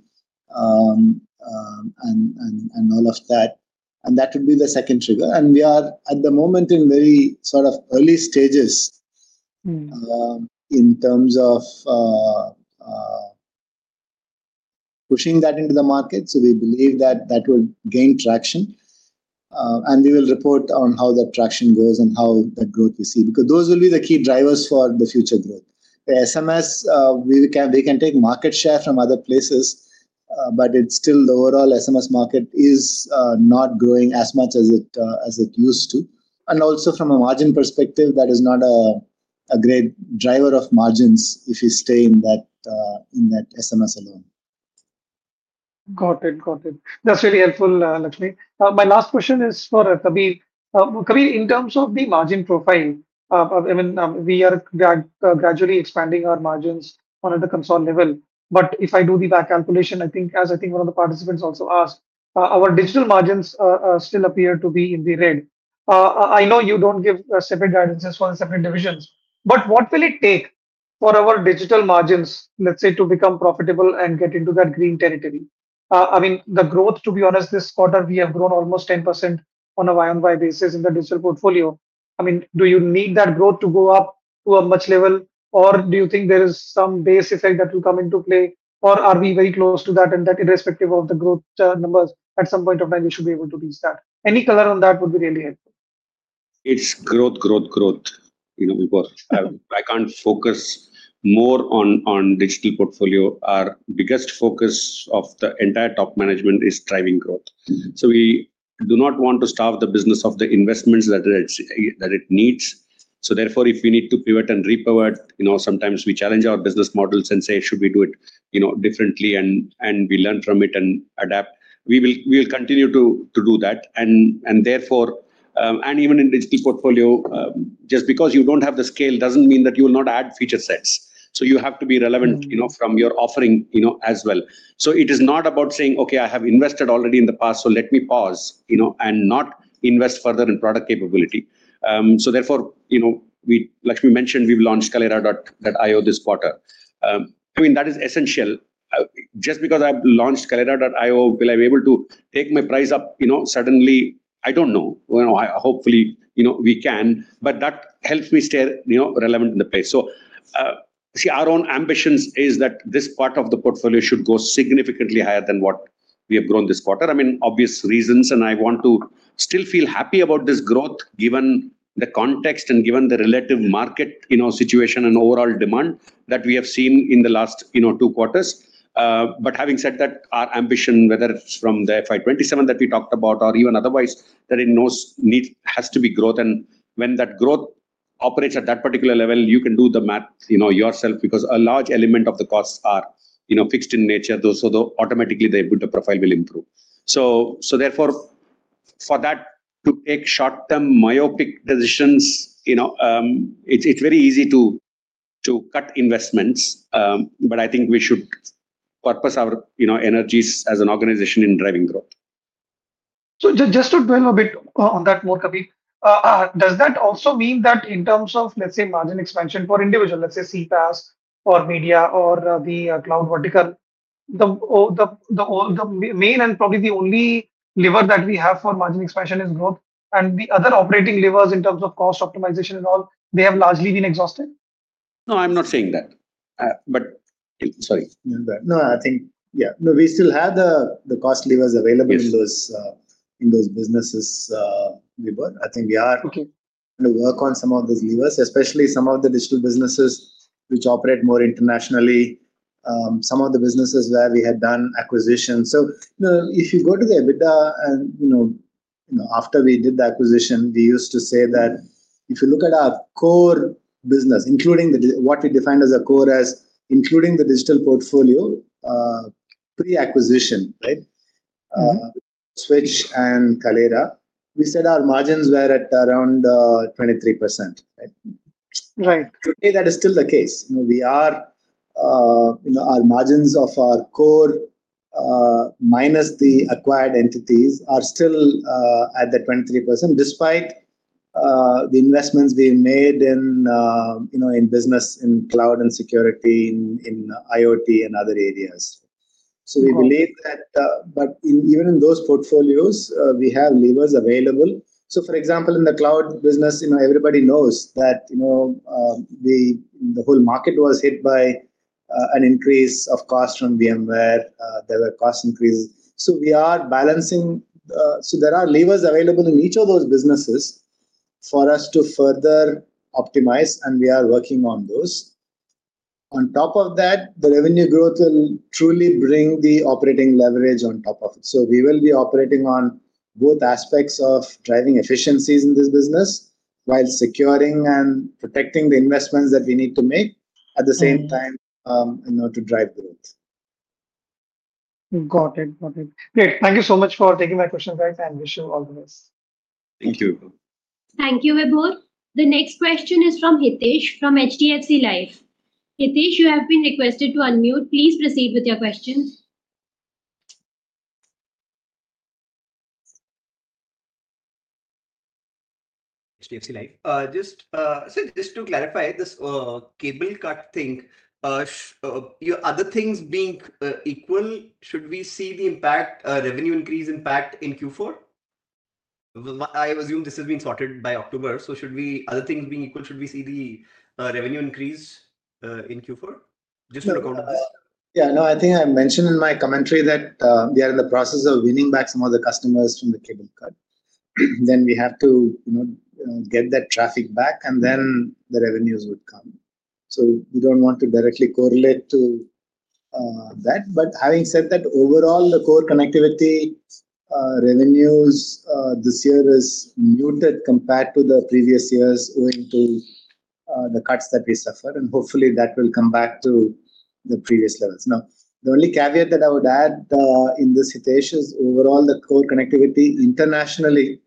and all of that. And that would be the second trigger. And we are at the moment in very sort of early stages in terms of pushing that into the market. So we believe that that will gain traction. And we will report on how that traction goes and how that growth we see because those will be the key drivers for the future growth. The SMS, we can take market share from other places. But it's still the overall SMS market is not growing as much as it used to. And also from a margin perspective, that is not a great driver of margins if you stay in that SMS alone. Got it. Got it. That's really helpful, Lakshmi. My last question is for Kabir. Kabir, in terms of the margin profile, I mean, we are gradually expanding our margins on the constant level. But if I do the back calculation, I think, as I think one of the participants also asked, our digital margins still appear to be in the red. I know you don't give separate guidance for the separate divisions. But what will it take for our digital margins, let's say, to become profitable and get into that green territory? I mean, the growth, to be honest, this quarter, we have grown almost 10% on a Y on Y basis in the digital portfolio. I mean, do you need that growth to go up to a much level? Or do you think there is some base effect that will come into play? Or are we very close to that? And that irrespective of the growth numbers, at some point of time, we should be able to reach that. Any color on that would be really helpful. It's growth, growth, growth. I can't focus more on digital portfolio. Our biggest focus of the entire top management is driving growth. So we do not want to starve the business of the investments that it needs. So therefore, if we need to pivot and repivot, sometimes we challenge our business models and say, "Should we do it differently?" And we learn from it and adapt. We will continue to do that. And even in digital portfolio, just because you don't have the scale doesn't mean that you will not add feature sets. So you have to be relevant from your offering as well. So it is not about saying, "Okay, I have invested already in the past, so let me pause and not invest further in product capability." So therefore, Lakshmi mentioned we've launched Kaleyra.io this quarter. I mean, that is essential. Just because I've launched Kaleyra.io, will I be able to take my price up suddenly? I don't know. Hopefully, we can. But that helps me stay relevant in the place. So see, our own ambition is that this part of the portfolio should go significantly higher than what we have grown this quarter. I mean, obvious reasons. And I want to still feel happy about this growth given the context and given the relative market situation and overall demand that we have seen in the last two quarters. But having said that, our ambition, whether it's from the FY 2027 that we talked about or even otherwise, there has to be growth. And when that growth operates at that particular level, you can do the math yourself because a large element of the costs are fixed in nature. So automatically, the profile will improve. So therefore, for that to take short-term myopic decisions, it's very easy to cut investments. But I think we should purpose our energies as an organization in driving growth. So just to dwell a bit on that more, Kabir, does that also mean that in terms of, let's say, margin expansion for individual, let's say, CPaaS or media or the cloud vertical, the main and probably the only lever that we have for margin expansion is growth? And the other operating levers in terms of cost optimization and all, they have largely been exhausted? No, I'm not saying that. But, sorry. No, I think, yeah. No, we still have the cost levers available in those businesses, Vibhor. I think we are going to work on some of those levers, especially some of the digital businesses which operate more internationally, some of the businesses where we had done acquisitions. So if you go to the EBITDA and after we did the acquisition, we used to say that if you look at our core business, including what we defined as a core as including the digital portfolio, pre-acquisition, Switch and Kaleyra, we said our margins were at around 23%. Right. Today, that is still the case. Our margins of our core minus the acquired entities are still at the 23% despite the investments we made in business in Cloud and Security in IoT and other areas. So we believe that even in those portfolios, we have levers available. So for example, in the cloud business, everybody knows that the whole market was hit by an increase of cost from VMware. There were cost increases. So we are balancing. So there are levers available in each of those businesses for us to further optimize. And we are working on those. On top of that, the revenue growth will truly bring the operating leverage on top of it. So we will be operating on both aspects of driving efficiencies in this business while securing and protecting the investments that we need to make at the same time to drive growth. Got it. Got it. Great. Thank you so much for taking my questions, guys. And wish you all the best. Thank you, Vibhor. Thank you, Vibhor. The next question is from Hitesh from HDFC Life. Hitesh, you have been requested to unmute. Please proceed with your question. So just to clarify this cable cut thing, other things being equal, should we see the revenue increase impact in Q4? I assume this has been sorted by October. So should we other things being equal, should we see the revenue increase in Q4? Just to look on this. Yeah. No, I think I mentioned in my commentary that we are in the process of winning back some of the customers from the cable cut. Then we have to get that traffic back. And then the revenues would come. So we don't want to directly correlate to that. But having said that, overall, the core connectivity revenues this year is muted compared to the previous years owing to the cuts that we suffered. And hopefully, that will come back to the previous levels. Now, the only caveat that I would add in this Hitesh is overall, the core connectivity internationally,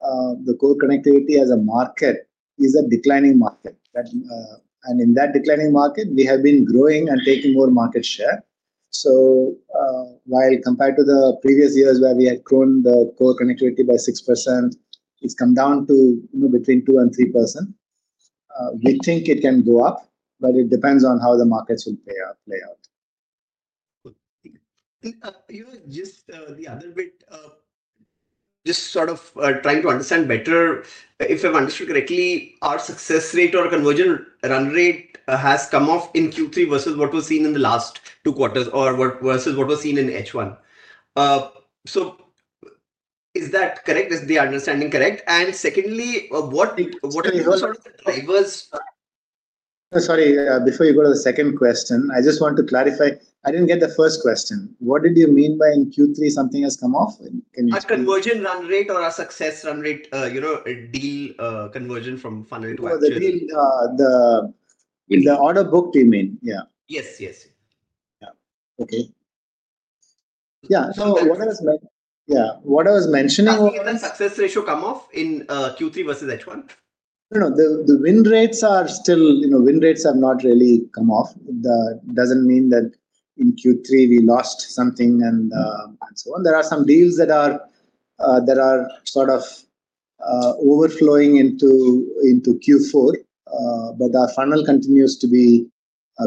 the core connectivity as a market is a declining market. And in that declining market, we have been growing and taking more market share. So while compared to the previous years where we had grown the core connectivity by 6%, it's come down to between 2% and 3%. We think it can go up, but it depends on how the markets will play out. Just the other bit, just sort of trying to understand better, if I've understood correctly, our success rate or conversion run rate has come off in Q3 versus what was seen in the last two quarters or versus what was seen in H1. So is that correct? Is the understanding correct? And secondly, what are sort of the drivers? Sorry, before you go to the second question, I just want to clarify. I didn't get the first question. What did you mean by in Q3 something has come off? A conversion run rate or a success run rate deal conversion from funding to IPO? The deal, the order book, we mean. Yeah. Yes. Yes. Yeah. Okay. So what I was mentioning. Has the success ratio come off in Q3 versus H1? No, no. The win rates are still. Win rates have not really come off. It doesn't mean that in Q3 we lost something and so on. There are some deals that are sort of overflowing into Q4, but our funnel continues to be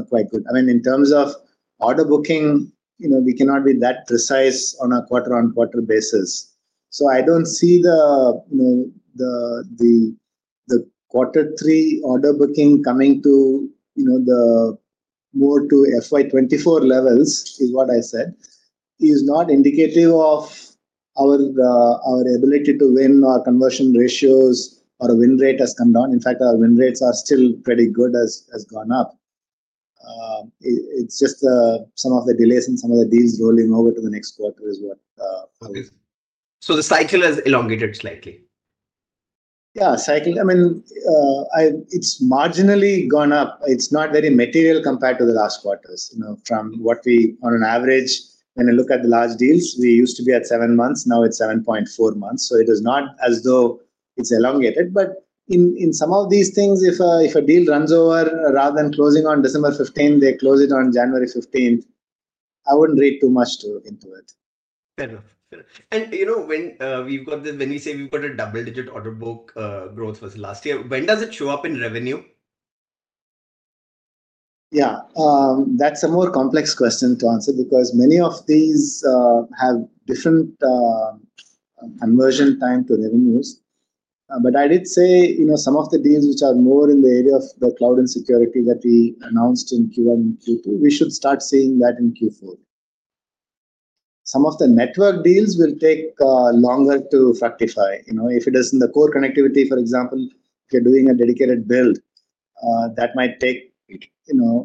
quite good. I mean, in terms of order booking, we cannot be that precise on a quarter-on-quarter basis, so I don't see the quarter three order booking coming to more to FY 2024 levels, is what I said, is not indicative of our ability to win our conversion ratios or a win rate has come down. In fact, our win rates are still pretty good. They have gone up. It's just some of the delays and some of the deals rolling over to the next quarter is what I would. So the cycle has elongated slightly. Yeah. Cycle. I mean, it's marginally gone up. It's not very material compared to the last quarters. From what we, on an average, when I look at the large deals, we used to be at seven months. Now it's 7.4 months. So it is not as though it's elongated. But in some of these things, if a deal runs over rather than closing on December 15, they close it on January 15, I wouldn't read too much into it. Fair enough. Fair enough. And when we've got this, when we say we've got a double-digit order book growth was last year, when does it show up in revenue? Yeah. That's a more complex question to answer because many of these have different conversion time to revenues. But I did say some of the deals which are more in the area of the Cloud and Security that we announced in Q1 and Q2, we should start seeing that in Q4. Some of the network deals will take longer to fructify. If it is in the core connectivity, for example, if you're doing a dedicated build, that might take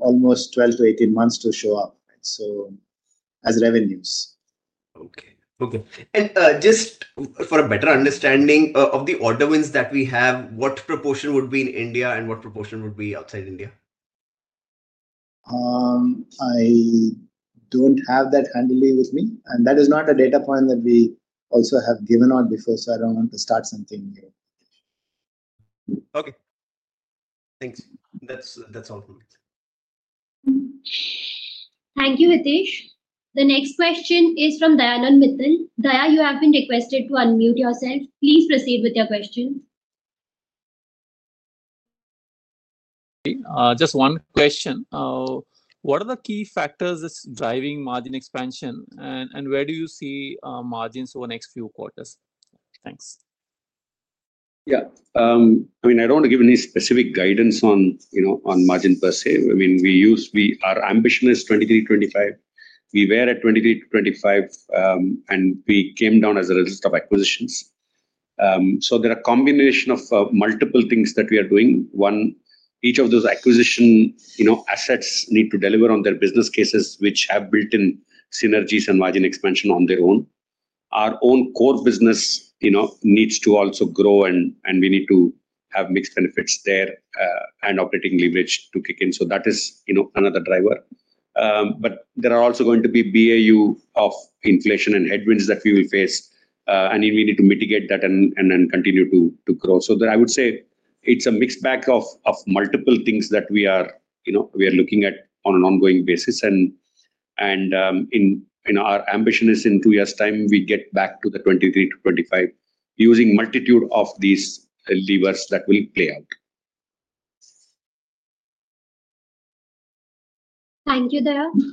almost 12 to 18 months to show up as revenues. Okay. And just for a better understanding of the order wins that we have, what proportion would be in India and what proportion would be outside India? I don't have that handily with me. And that is not a data point that we also have given out before. So I don't want to start something new. Okay. Thanks. That's all from me. Thank you, Hitesh. The next question is from Dayanand Mittal. Daya, you have been requested to unmute yourself. Please proceed with your question. Just one question. What are the key factors that's driving margin expansion? And where do you see margins over the next few quarters? Thanks. Yeah. I mean, I don't want to give any specific guidance on margin per se. I mean, we are ambition is 23%-25%. We were at 23%-25%. And we came down as a result of acquisitions. So there are a combination of multiple things that we are doing. One, each of those acquisition assets need to deliver on their business cases, which have built-in synergies and margin expansion on their own. Our own core business needs to also grow. And we need to have mix benefits there and operating leverage to kick in. So that is another driver. But there are also going to be BAU of inflation and headwinds that we will face. And we need to mitigate that and then continue to grow. So I would say it's a mixed bag of multiple things that we are looking at on an ongoing basis. Our ambition is, in two years' time, we get back to the 23%-25% using multitude of these levers that will play out. Thank you, Dayanand.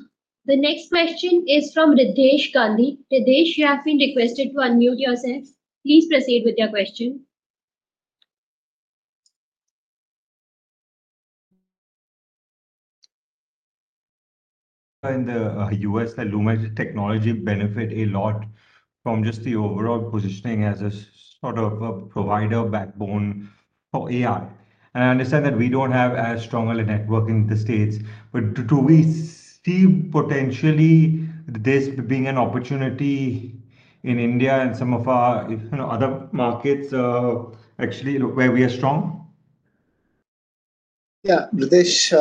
The next question is from Ritesh Gandhi. Ritesh, you have been requested to unmute yourself. Please proceed with your question. In the U.S., Lumen Technologies benefits a lot from just the overall positioning as a sort of a provider backbone for AI. And I understand that we don't have as strong a network in the States. But do we see potentially this being an opportunity in India and some of our other markets actually where we are strong? Yeah. Ritesh,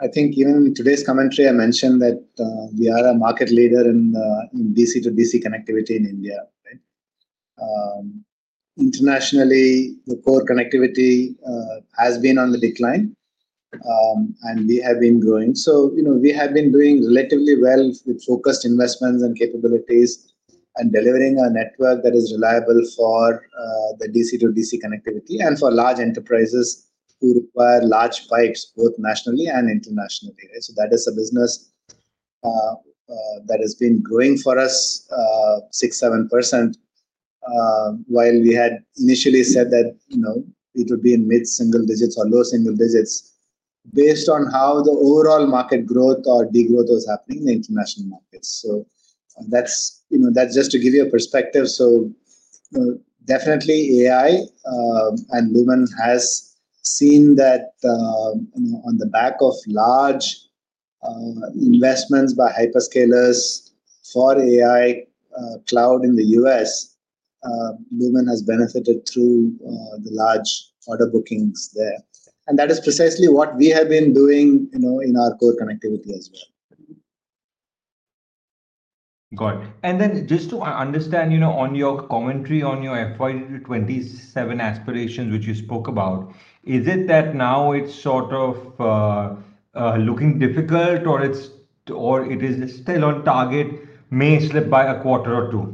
I think even in today's commentary, I mentioned that we are a market leader in DC to DC connectivity in India. Internationally, the core connectivity has been on the decline, and we have been growing, so we have been doing relatively well with focused investments and capabilities and delivering a network that is reliable for the DC to DC connectivity and for large enterprises who require large pipes both nationally and internationally. So that is a business that has been growing for us 6%, 7%, while we had initially said that it would be in mid-single digits or low single digits based on how the overall market growth or degrowth was happening in the international markets, so that's just to give you a perspective. So definitely, AI and Lumen has seen that on the back of large investments by hyperscalers for AI cloud in the U.S., Lumen has benefited through the large order bookings there. And that is precisely what we have been doing in our core connectivity as well. Got it. And then just to understand on your commentary on your FY 2027 aspirations, which you spoke about, is it that now it's sort of looking difficult or it is still on target, may slip by a quarter or two?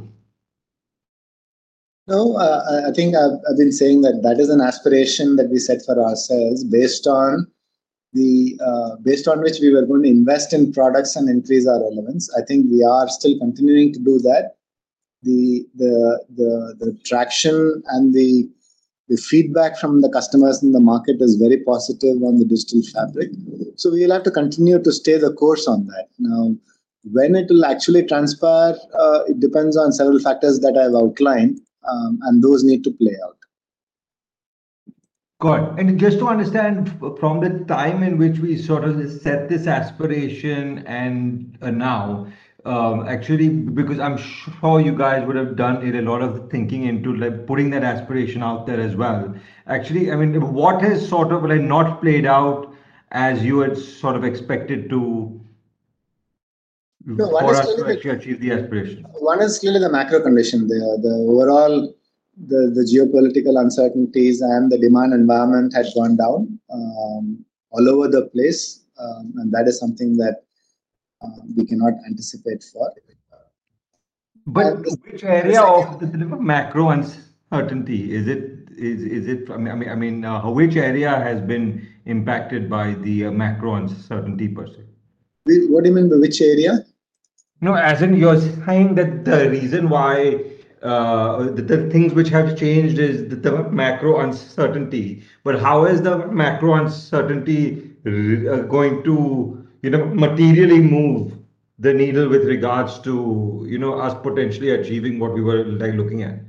No. I think I've been saying that that is an aspiration that we set for ourselves based on which we were going to invest in products and increase our elements. I think we are still continuing to do that. The traction and the feedback from the customers in the market is very positive on the Digital Fabric. So we will have to continue to stay the course on that. Now, when it will actually transpire, it depends on several factors that I've outlined, and those need to play out. Got it. And just to understand from the time in which we sort of set this aspiration and now, actually, because I'm sure you guys would have done a lot of thinking into putting that aspiration out there as well. Actually, I mean, what has sort of not played out as you had sort of expected to. No. One is still. To actually achieve the aspiration? One is still in the macro condition there. The overall geopolitical uncertainties and the demand environment had gone down all over the place, and that is something that we cannot anticipate for. But which area of the macro uncertainty is it? I mean, which area has been impacted by the macro uncertainty per se? What do you mean by which area? No. As in you're saying that the reason why the things which have changed is the macro uncertainty. But how is the macro uncertainty going to materially move the needle with regards to us potentially achieving what we were looking at?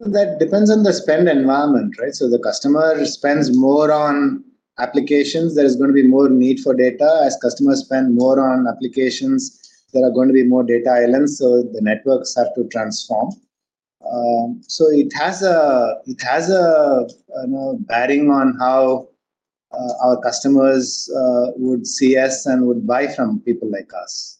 That depends on the spend environment, right? So the customer spends more on applications. There is going to be more need for data. As customers spend more on applications, there are going to be more data islands. So the networks have to transform. So it has a bearing on how our customers would see us and would buy from people like us.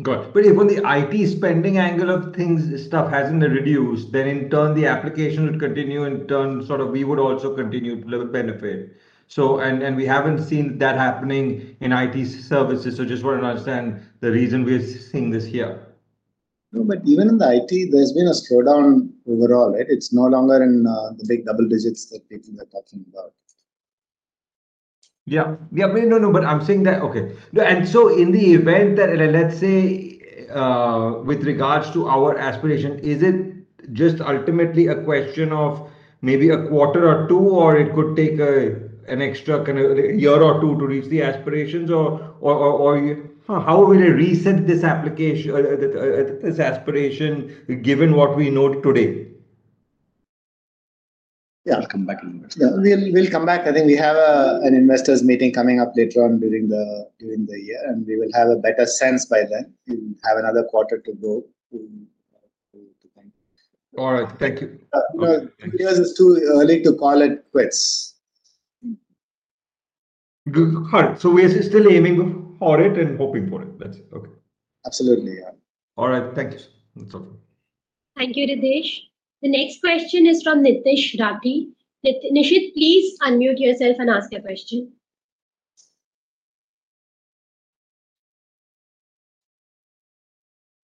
Got it, but if on the IT spending angle of things, stuff hasn't reduced, then in turn, the application would continue in turn, sort of we would also continue to benefit, and we haven't seen that happening in IT services, so just want to understand the reason we're seeing this here. No, but even in the IT, there's been a slowdown overall, right? It's no longer in the big double digits that people are talking about. No, no. But I'm saying that, okay. And so in the event that, let's say, with regards to our aspiration, is it just ultimately a question of maybe a quarter or two, or it could take an extra year or two to reach the aspirations? Or how will it reset this aspiration given what we know today? Yeah. We'll come back in a minute. Yeah. We'll come back. I think we have an investors' meeting coming up later on during the year, and we will have a better sense by then. We'll have another quarter to go. All right. Thank you. It's too early to call it quits. Good. So we're still aiming for it and hoping for it. That's it. Okay. Absolutely. Yeah. All right. Thank you. That's all. Thank you, Ritesh. The next question is from Nitesh Rathi. Nitesh, please unmute yourself and ask your question.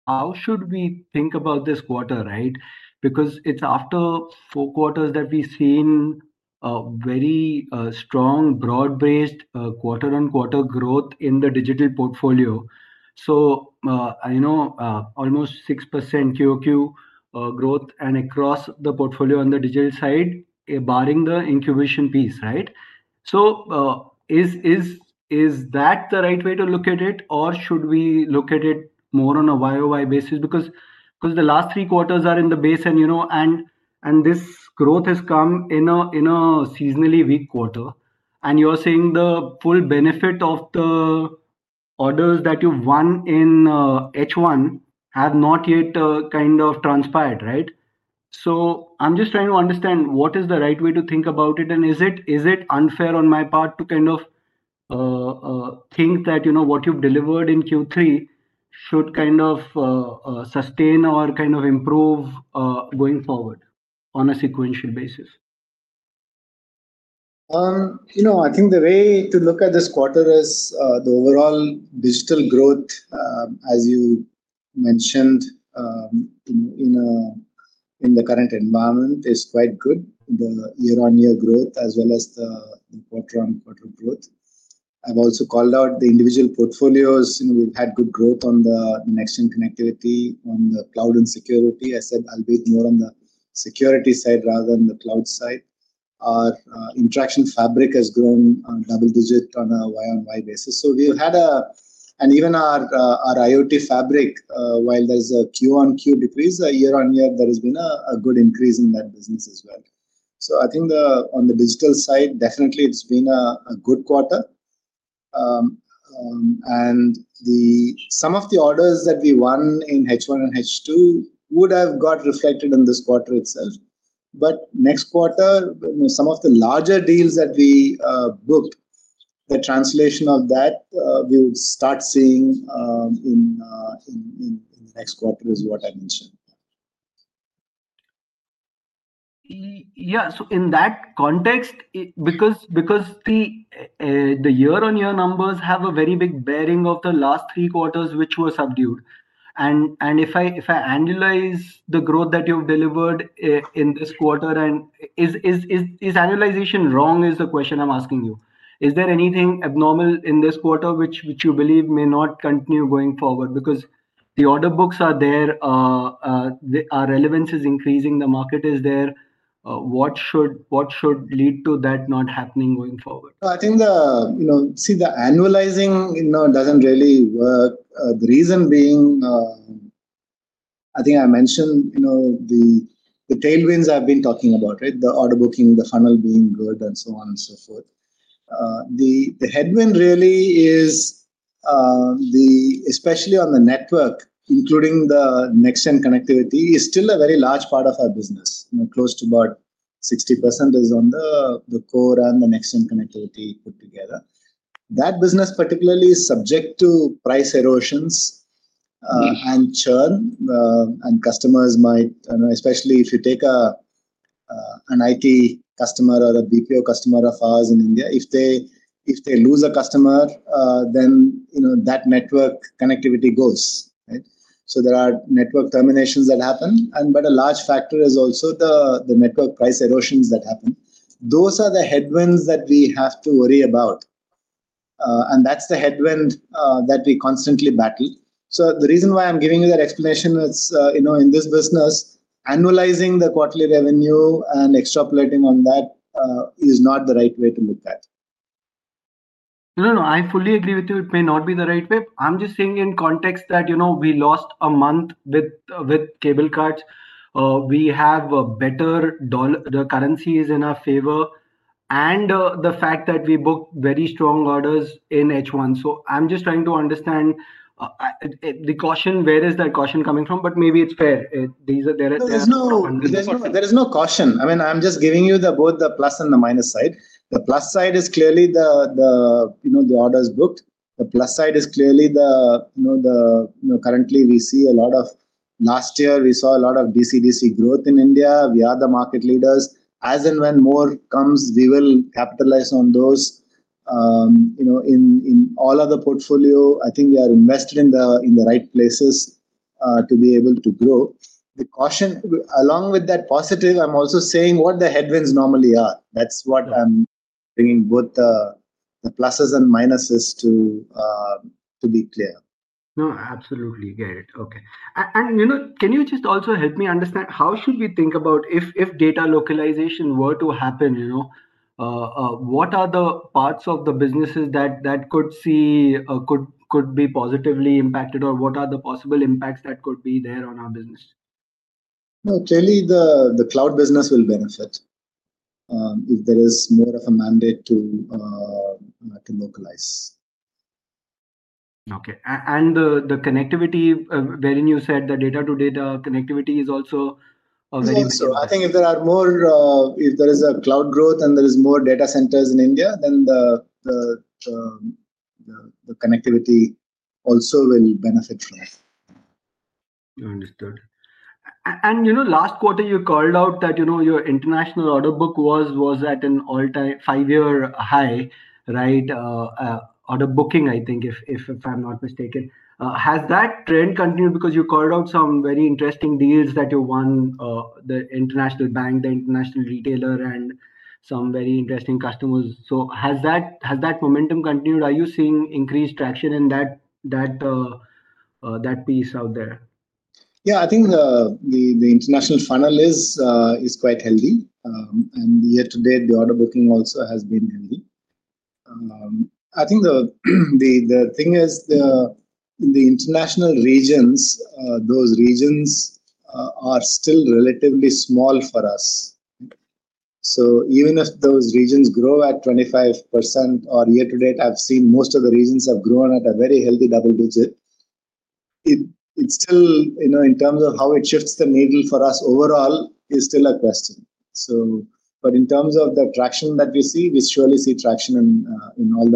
How should we think about this quarter, right? Because it's after four quarters that we've seen very strong broad-based quarter-on-quarter growth in the digital portfolio. So almost 6% QOQ growth and across the portfolio on the digital side, barring the incubation piece, right? So is that the right way to look at it? Or should we look at it more on a Y on Y basis? Because the last three quarters are in the base. And this growth has come in a seasonally weak quarter. And you're saying the full benefit of the orders that you've won in H1 have not yet kind of transpired, right? So I'm just trying to understand what is the right way to think about it. And is it unfair on my part to kind of think that what you've delivered in Q3 should kind of sustain or kind of improve going forward on a sequential basis? I think the way to look at this quarter is the overall digital growth, as you mentioned, in the current environment is quite good. The year-on-year growth as well as the quarter-on-quarter growth. I've also called out the individual portfolios. We've had good growth on the next-gen connectivity, on the cloud and security. I said I'll be more on the security side rather than the cloud side. Our Interaction Fabric has grown double-digit on a Y-on-Y basis. So we've had even our IoT Fabric, while there's a Q-on-Q decrease year-on-year, there has been a good increase in that business as well. So I think on the digital side, definitely, it's been a good quarter, and some of the orders that we won in H1 and H2 would have got reflected in this quarter itself. But next quarter, some of the larger deals that we book, the translation of that, we would start seeing in the next quarter is what I mentioned. Yeah. So in that context, because the year-on-year numbers have a very big bearing of the last three quarters, which were subdued. And if I annualize the growth that you've delivered in this quarter, is annualization wrong is the question I'm asking you. Is there anything abnormal in this quarter which you believe may not continue going forward? Because the order books are there. Our relevance is increasing. The market is there. What should lead to that not happening going forward? I think, see, the annualizing doesn't really work. The reason being, I think I mentioned the tailwinds I've been talking about, right? The order booking, the funnel being good, and so on and so forth. The headwind really is, especially on the network, including the next-gen connectivity, is still a very large part of our business. Close to about 60% is on the core and the next-gen connectivity put together. That business particularly is subject to price erosions and churn. And customers might, especially if you take an IT customer or a BPO customer of ours in India, if they lose a customer, then that network connectivity goes, right? So there are network terminations that happen. But a large factor is also the network price erosions that happen. Those are the headwinds that we have to worry about. And that's the headwind that we constantly battle. So the reason why I'm giving you that explanation is in this business, annualizing the quarterly revenue and extrapolating on that is not the right way to look at. No, no. I fully agree with you. It may not be the right way. I'm just saying in context that we lost a month with cable cuts. We have a better currency in our favor and the fact that we booked very strong orders in H1. So I'm just trying to understand the caution. Where is that caution coming from? But maybe it's fair. There is no caution. There is no caution. I mean, I'm just giving you both the plus and the minus side. The plus side is clearly the orders booked. The plus side is clearly the currently we see a lot of last year, we saw a lot of DC-DC growth in India. We are the market leaders. As in when more comes, we will capitalize on those. In all other portfolio, I think we are invested in the right places to be able to grow. Along with that positive, I'm also saying what the headwinds normally are. That's what I'm bringing both the pluses and minuses to be clear. No. Absolutely. Got it. Okay. And can you just also help me understand how should we think about if data localization were to happen? What are the parts of the businesses that could be positively impacted or what are the possible impacts that could be there on our business? No. Clearly, the cloud business will benefit if there is more of a mandate to localize. Okay, and the connectivity, when you said the DC to DC connectivity is also a very big factor. I think if there is a cloud growth and there is more data centers in India, then the connectivity also will benefit from it. Understood. And last quarter, you called out that your international order book was at an all-time five-year high, right? Order booking, I think, if I'm not mistaken. Has that trend continued? Because you called out some very interesting deals that you won the international bank, the international retailer, and some very interesting customers. So has that momentum continued? Are you seeing increased traction in that piece out there? Yeah. I think the international funnel is quite healthy, and year-to-date, the order booking also has been healthy. I think the thing is in the international regions, those regions are still relatively small for us. So even if those regions grow at 25% or year-to-date, I've seen most of the regions have grown at a very healthy double digit. It's still, in terms of how it shifts the needle for us overall, is still a question, but in terms of the traction that we see, we surely see traction in all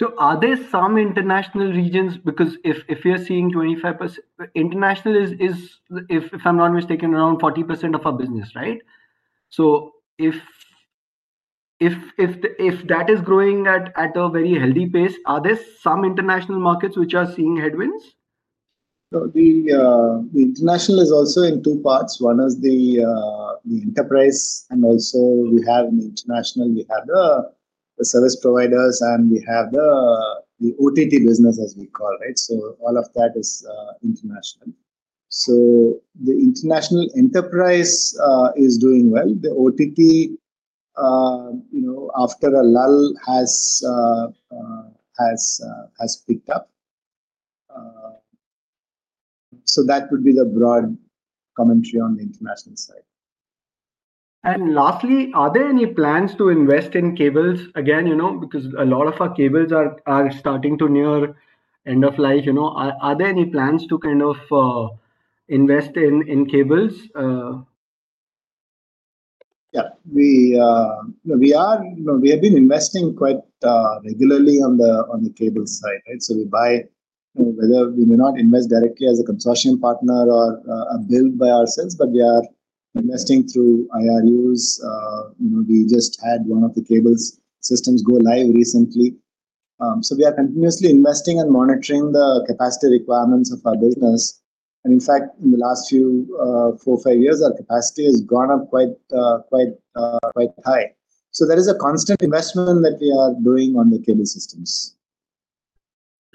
the markets. So are there some international regions? Because if we are seeing 25% international is, if I'm not mistaken, around 40% of our business, right? So if that is growing at a very healthy pace, are there some international markets which are seeing headwinds? So the international is also in two parts. One is the enterprise. And also, we have the international. We have the service providers, and we have the OTT business, as we call it. So all of that is international. So the international enterprise is doing well. The OTT, after a lull, has picked up. So that would be the broad commentary on the international side. And lastly, are there any plans to invest in cables? Again, because a lot of our cables are starting to near end of life, are there any plans to kind of invest in cables? Yeah. We have been investing quite regularly on the cable side, right? So we buy, whether we may not invest directly as a consortium partner or build by ourselves, but we are investing through IRUs. We just had one of the cable systems go live recently. So we are continuously investing and monitoring the capacity requirements of our business. And in fact, in the last few four, five years, our capacity has gone up quite high. So there is a constant investment that we are doing on the cable systems.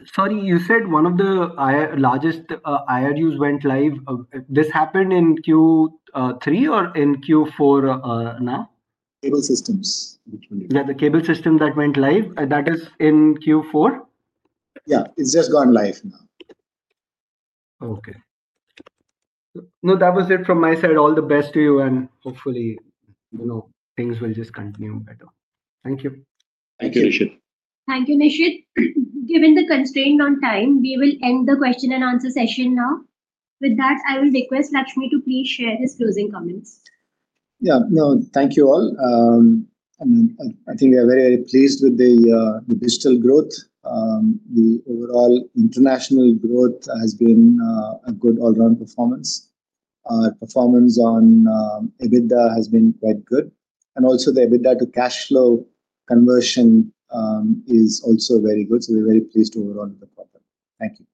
Sorry, you said one of the largest IRUs went live. This happened in Q3 or in Q4 now? Cable systems. You said the cable system that went live. That is in Q4? Yeah. It's just gone live now. Okay. No, that was it from my side. All the best to you, and hopefully, things will just continue better. Thank you. Thank you, Nitesh. Thank you, Nitesh. Given the constraint on time, we will end the question and answer session now. With that, I will request Lakshmi to please share his closing comments. Yeah. No, thank you all. I mean, I think we are very, very pleased with the digital growth. The overall international growth has been a good all-around performance. Our performance on EBITDA has been quite good. And also, the EBITDA to cash flow conversion is also very good. So we're very pleased overall with the product. Thank you.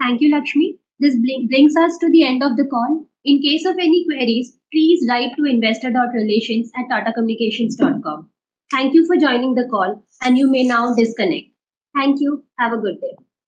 Thank you, Lakshmi. This brings us to the end of the call. In case of any queries, please write to investor.relations@tatacommunications.com. Thank you for joining the call, and you may now disconnect. Thank you. Have a good day.